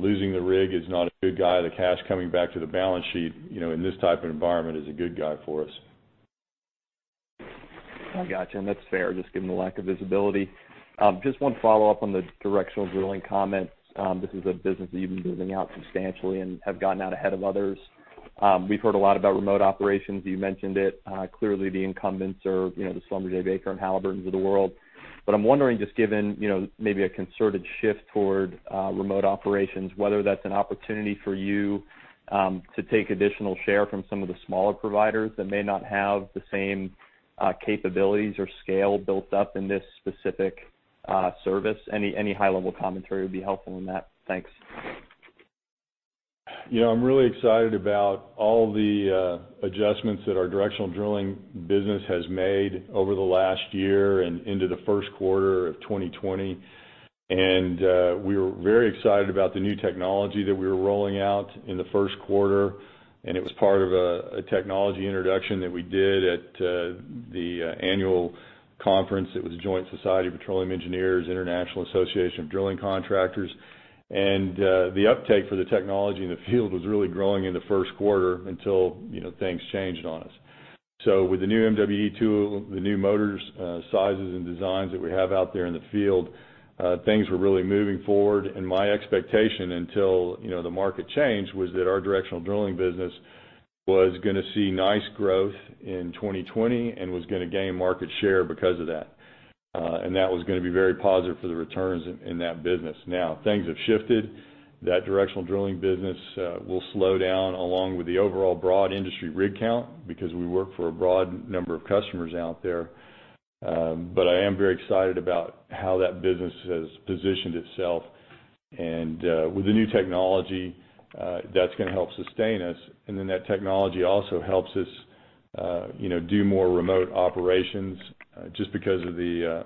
losing the rig is not a good guy, the cash coming back to the balance sheet in this type of environment is a good guy for us. I got you. That's fair, just given the lack of visibility. Just one follow-up on the directional drilling comments. This is a business that you've been building out substantially and have gotten out ahead of others. We've heard a lot about remote operations. You mentioned it. Clearly the incumbents are the Schlumberger, Baker and Halliburton of the world. I'm wondering, just given maybe a concerted shift toward remote operations, whether that's an opportunity for you to take additional share from some of the smaller providers that may not have the same capabilities or scale built up in this specific service. Any high-level commentary would be helpful in that. Thanks. I'm really excited about all the adjustments that our directional drilling business has made over the last year and into the first quarter of 2020. We were very excited about the new technology that we were rolling out in the first quarter, and it was part of a technology introduction that we did at the annual conference. It was a joint Society of Petroleum Engineers, International Association of Drilling Contractors. The uptake for the technology in the field was really growing in the first quarter until things changed on us. With the new MWD tool, the new motors, sizes and designs that we have out there in the field, things were really moving forward, and my expectation until the market changed was that our directional drilling business was going to see nice growth in 2020 and was going to gain market share because of that. That was going to be very positive for the returns in that business. Now things have shifted. That directional drilling business will slow down along with the overall broad industry rig count because we work for a broad number of customers out there. I am very excited about how that business has positioned itself and with the new technology that's going to help sustain us. That technology also helps us do more remote operations just because of the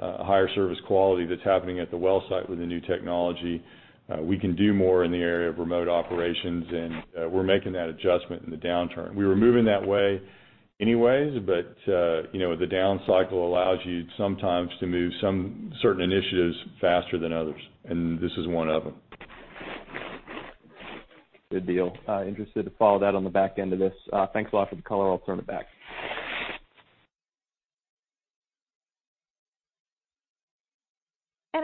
higher service quality that's happening at the well site with the new technology. We can do more in the area of remote operations. We're making that adjustment in the downturn. We were moving that way anyways. The down cycle allows you sometimes to move some certain initiatives faster than others. This is one of them. Good deal. Interested to follow that on the back end of this. Thanks a lot for the color. I'll turn it back.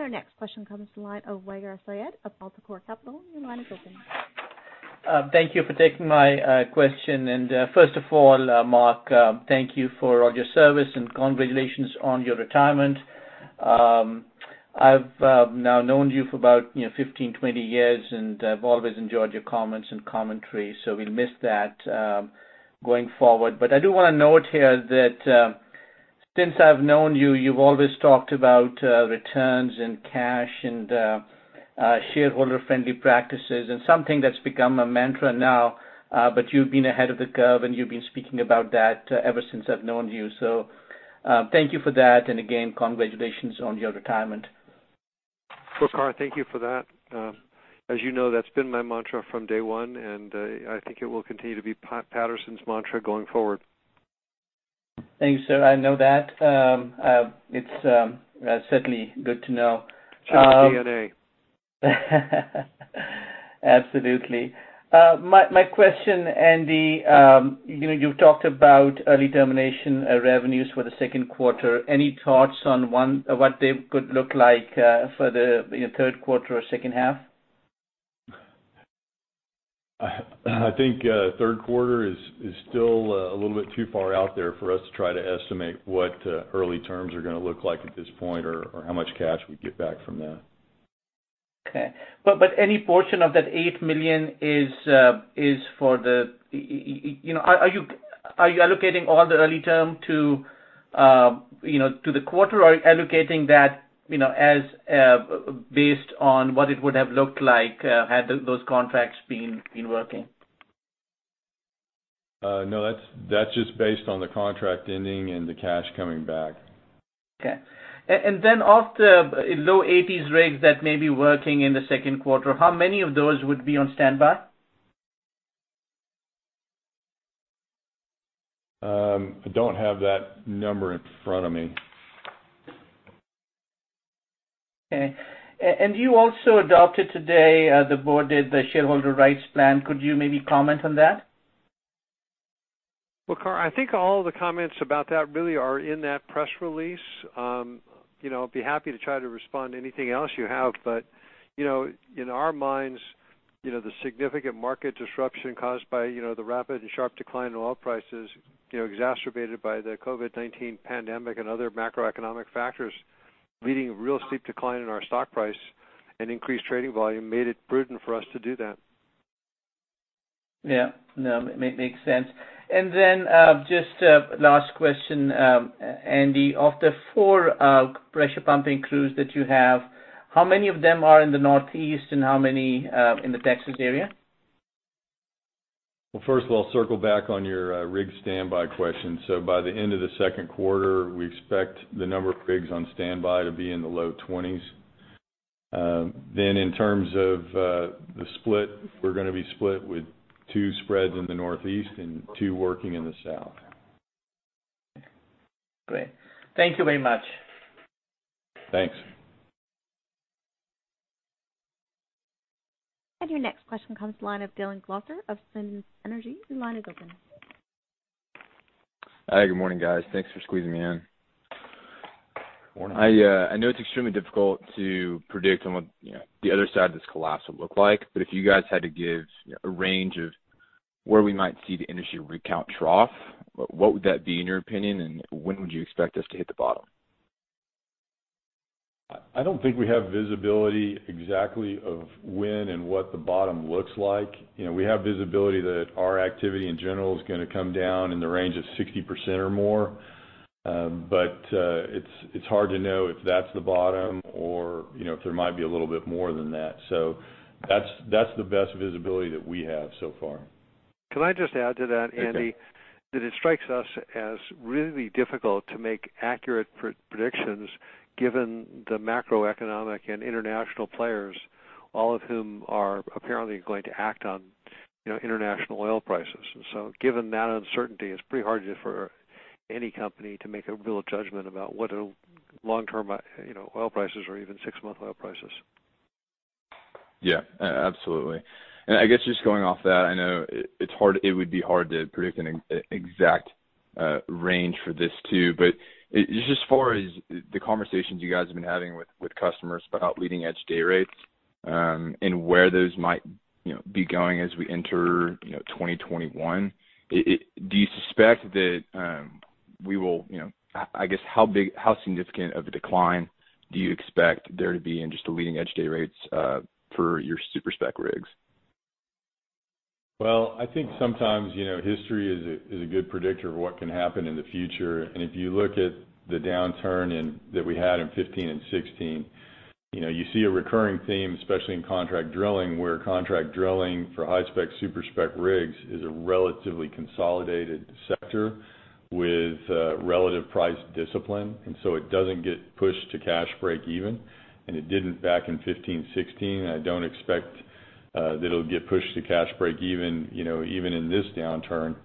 Our next question comes to the line of Waqar Syed of Altacorp Capital. Your line is open. Thank you for taking my question. First of all, Mark, thank you for all your service and congratulations on your retirement. I've now known you for about 15, 20 years. I've always enjoyed your comments and commentary. We'll miss that going forward. I do want to note here that since I've known you've always talked about returns and cash and shareholder-friendly practices. Something that's become a mantra now, you've been ahead of the curve, you've been speaking about that ever since I've known you. Thank you for that. Again, congratulations on your retirement. Waqar, thank you for that. As you know, that's been my mantra from day one, and I think it will continue to be Patterson's mantra going forward. Thank you, sir. I know that. It's certainly good to know. It's just DNA. Absolutely. My question, Andy, you talked about early termination revenues for the second quarter. Any thoughts on what they could look like for the third quarter or second half? I think third quarter is still a little bit too far out there for us to try to estimate what early terms are going to look like at this point or how much cash we'd get back from that. Okay. Any portion of that $8 million, are you allocating all the early term to the quarter, or allocating that based on what it would have looked like had those contracts been working? No, that's just based on the contract ending and the cash coming back. Okay. Of the low 80 rigs that may be working in the second quarter, how many of those would be on standby? I don't have that number in front of me. Okay. You also adopted today, the board did, the shareholder rights plan. Could you maybe comment on that? Waqar, I think all the comments about that really are in that press release. I'd be happy to try to respond to anything else you have, but, in our minds, the significant market disruption caused by the rapid and sharp decline in oil prices exacerbated by the COVID-19 pandemic and other macroeconomic factors leading to a real steep decline in our stock price and increased trading volume, made it prudent for us to do that. Yeah. No, makes sense. Just a last question, Andy. Of the four pressure pumping crews that you have, how many of them are in the Northeast and how many are in the Texas area? First of all, circle back on your rig standby question. By the end of the second quarter, we expect the number of rigs on standby to be in the low 20s. In terms of the split, we're gonna be split with two spreads in the Northeast and two working in the South. Okay, great. Thank you very much. Thanks. Your next question comes from the line of Taylor Zurcher of Sun Energy. Your line is open. Hi. Good morning, guys. Thanks for squeezing me in. Morning. I know it's extremely difficult to predict on what the other side of this collapse will look like, but if you guys had to give a range of where we might see the industry rig count trough, what would that be, in your opinion, and when would you expect us to hit the bottom? I don't think we have visibility exactly of when and what the bottom looks like. We have visibility that our activity in general is gonna come down in the range of 60% or more. It's hard to know if that's the bottom or if there might be a little bit more than that. That's the best visibility that we have so far. Can I just add to that, Andy? Okay. That it strikes us as really difficult to make accurate predictions given the macroeconomic and international players, all of whom are apparently going to act on international oil prices. Given that uncertainty, it's pretty hard for any company to make a real judgment about what long-term oil prices or even six-month oil prices. Yeah. Absolutely. I guess just going off that, I know it would be hard to predict an exact range for this too, but just as far as the conversations you guys have been having with customers about leading-edge day rates, and where those might be going as we enter 2021, I guess, how significant of a decline do you expect there to be in just the leading-edge day rates for your super spec rigs? Well, I think sometimes history is a good predictor of what can happen in the future. If you look at the downturn that we had in 2015 and 2016, you see a recurring theme, especially in contract drilling, where contract drilling for high spec, super spec rigs is a relatively consolidated sector with relative price discipline. It doesn't get pushed to cash breakeven, and it didn't back in 2015, 2016. I don't expect that it'll get pushed to cash breakeven, even in this downturn,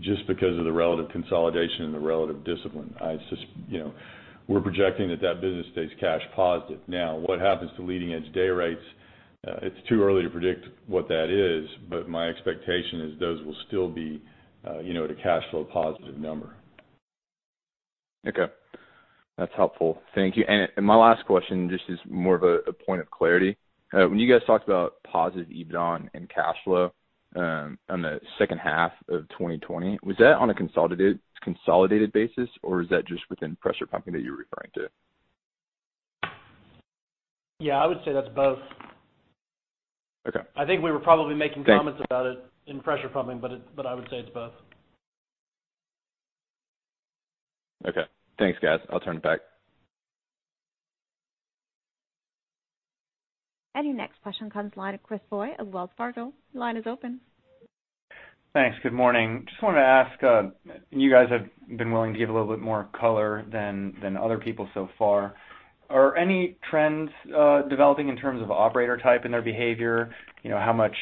just because of the relative consolidation and the relative discipline. We're projecting that that business stays cash positive. Now, what happens to leading edge day rates, it's too early to predict what that is, but my expectation is those will still be at a cash flow positive number. Okay. That's helpful. Thank you. My last question, just as more of a point of clarity. When you guys talked about positive EBITDA and cash flow on the second half of 2020, was that on a consolidated basis, or is that just within pressure pumping that you're referring to? Yeah, I would say that's both. Okay. I think we were probably making comments about it in pressure pumping, but I would say it's both. Okay. Thanks, guys. I'll turn it back. Your next question comes line of Chris Voie at Wells Fargo. Your line is open. Thanks. Good morning. Just wanted to ask, you guys have been willing to give a little bit more color than other people so far. Are any trends developing in terms of operator type and their behavior? How much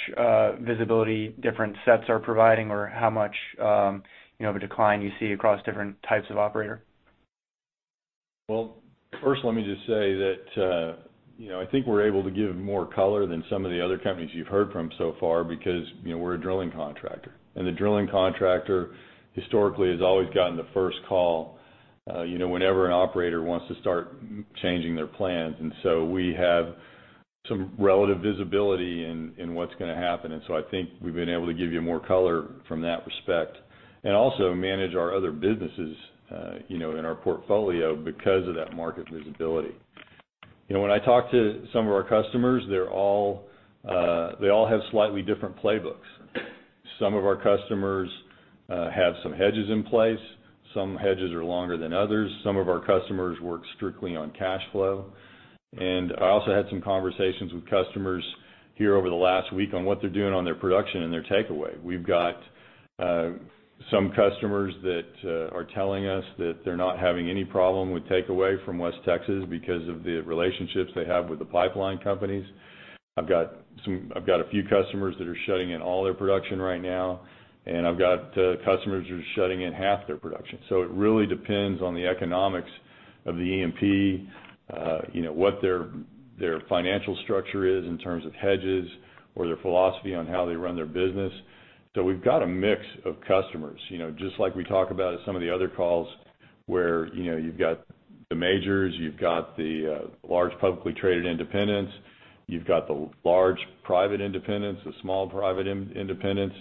visibility different sets are providing or how much of a decline you see across different types of operator? Well, first let me just say that I think we're able to give more color than some of the other companies you've heard from so far because we're a drilling contractor. The drilling contractor historically has always gotten the first call whenever an operator wants to start changing their plans. We have some relative visibility in what's going to happen. I think we've been able to give you more color from that respect and also manage our other businesses in our portfolio because of that market visibility. When I talk to some of our customers, they all have slightly different playbooks. Some of our customers have some hedges in place. Some hedges are longer than others. Some of our customers work strictly on cash flow. I also had some conversations with customers here over the last week on what they're doing on their production and their takeaway. We've got some customers that are telling us that they're not having any problem with takeaway from West Texas because of the relationships they have with the pipeline companies. I've got a few customers that are shutting in all their production right now, and I've got customers who are shutting in half their production. It really depends on the economics of the E&P, what their financial structure is in terms of hedges or their philosophy on how they run their business. We've got a mix of customers just like we talk about at some of the other calls where you've got the majors, you've got the large publicly traded independents, you've got the large private independents, the small private independents.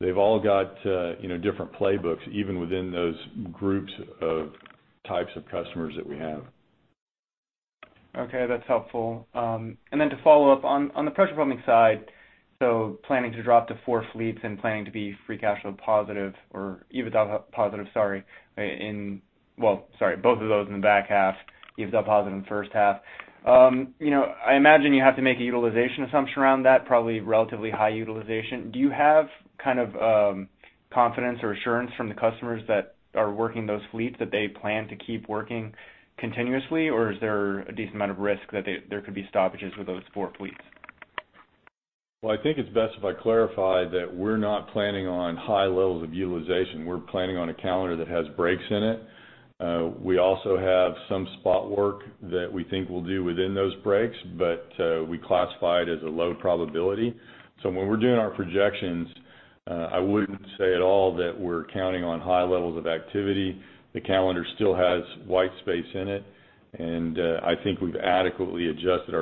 They've all got different playbooks, even within those groups of types of customers that we have. Okay. That's helpful. To follow up, on the pressure pumping side, planning to drop to four fleets and planning to be free cash flow positive or EBITDA positive, sorry, well, sorry, both of those in the back half. EBITDA positive in the first half. I imagine you have to make a utilization assumption around that, probably relatively high utilization. Do you have kind of confidence or assurance from the customers that are working those fleets that they plan to keep working continuously, or is there a decent amount of risk that there could be stoppages with those four fleets? Well, I think it's best if I clarify that we're not planning on high levels of utilization. We're planning on a calendar that has breaks in it. We also have some spot work that we think we'll do within those breaks, but we classify it as a low probability. When we're doing our projections, I wouldn't say at all that we're counting on high levels of activity. The calendar still has white space in it, and I think we've adequately adjusted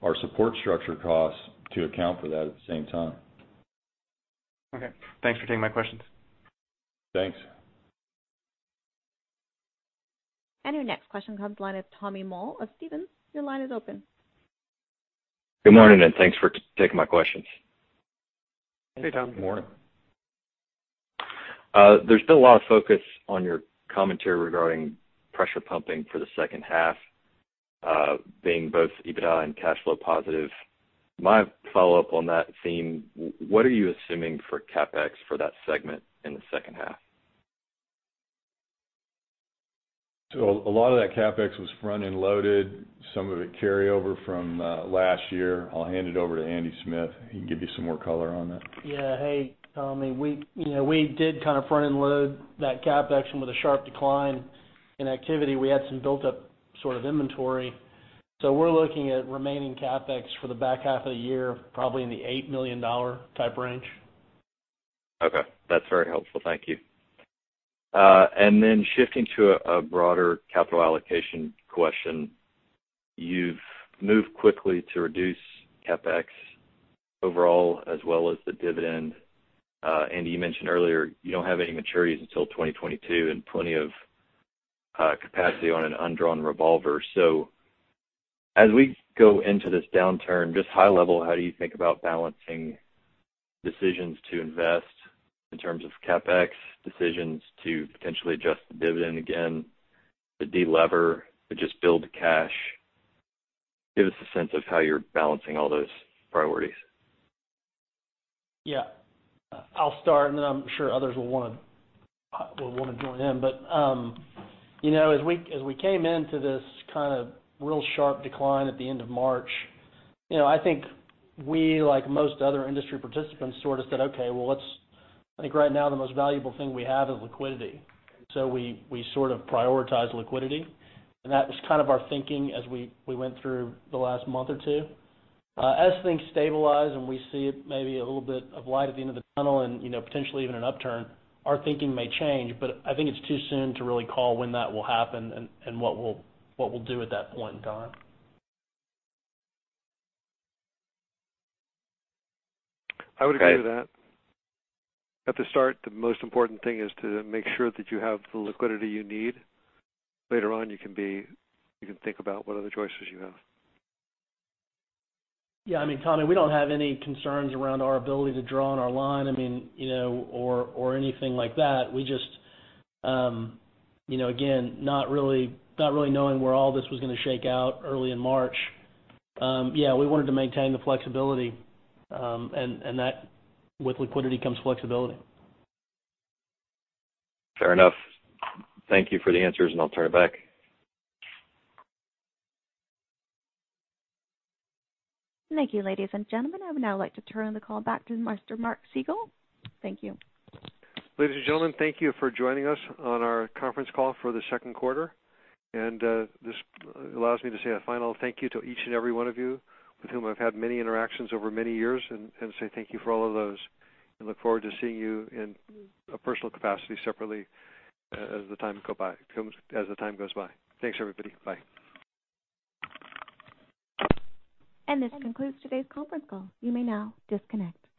our support structure costs to account for that at the same time. Okay. Thanks for taking my questions. Thanks. Your next question comes line of Tommy Moll of Stephens. Your line is open. Good morning, and thanks for taking my questions. Hey, Tom. Good morning. There's still a lot of focus on your commentary regarding pressure pumping for the second half, being both EBITDA and cash flow positive. My follow-up on that theme, what are you assuming for CapEx for that segment in the second half? A lot of that CapEx was front-end loaded, some of it carryover from last year. I'll hand it over to Andy Smith. He can give you some more color on that. Yeah. Hey, Tommy. We did kind of front-end load that CapEx, and with a sharp decline in activity, we had some built-up sort of inventory. We're looking at remaining CapEx for the back half of the year, probably in the $8 million type range. Okay. That's very helpful. Thank you. Shifting to a broader capital allocation question, you've moved quickly to reduce CapEx overall as well as the dividend. Andy, you mentioned earlier you don't have any maturities until 2022 and plenty of capacity on an undrawn revolver. As we go into this downturn, just high level, how do you think about balancing decisions to invest in terms of CapEx decisions to potentially adjust the dividend again, to delever or just build cash? Give us a sense of how you're balancing all those priorities. Yeah. I'll start, and then I'm sure others will want to join in. As we came into this kind of real sharp decline at the end of March, I think we, like most other industry participants sort of said, okay, well, I think right now the most valuable thing we have is liquidity. We sort of prioritized liquidity, and that was kind of our thinking as we went through the last month or two. As things stabilize and we see maybe a little bit of light at the end of the tunnel and potentially even an upturn, our thinking may change, but I think it's too soon to really call when that will happen and what we'll do at that point in time. Okay. I would agree with that. At the start, the most important thing is to make sure that you have the liquidity you need. Later on, you can think about what other choices you have. Yeah. I mean, Tommy, we don't have any concerns around our ability to draw on our line or anything like that. We just, again, not really knowing where all this was going to shake out early in March, yeah, we wanted to maintain the flexibility. With liquidity comes flexibility. Fair enough. Thank you for the answers, and I'll turn it back. Thank you, ladies and gentlemen. I would now like to turn the call back to Mr. Mark Siegel. Thank you. Ladies and gentlemen, thank you for joining us on our conference call for the second quarter. This allows me to say a final thank you to each and every one of you with whom I've had many interactions over many years and say thank you for all of those, and look forward to seeing you in a personal capacity separately as the time goes by. Thanks, everybody. Bye. This concludes today's conference call. You may now disconnect.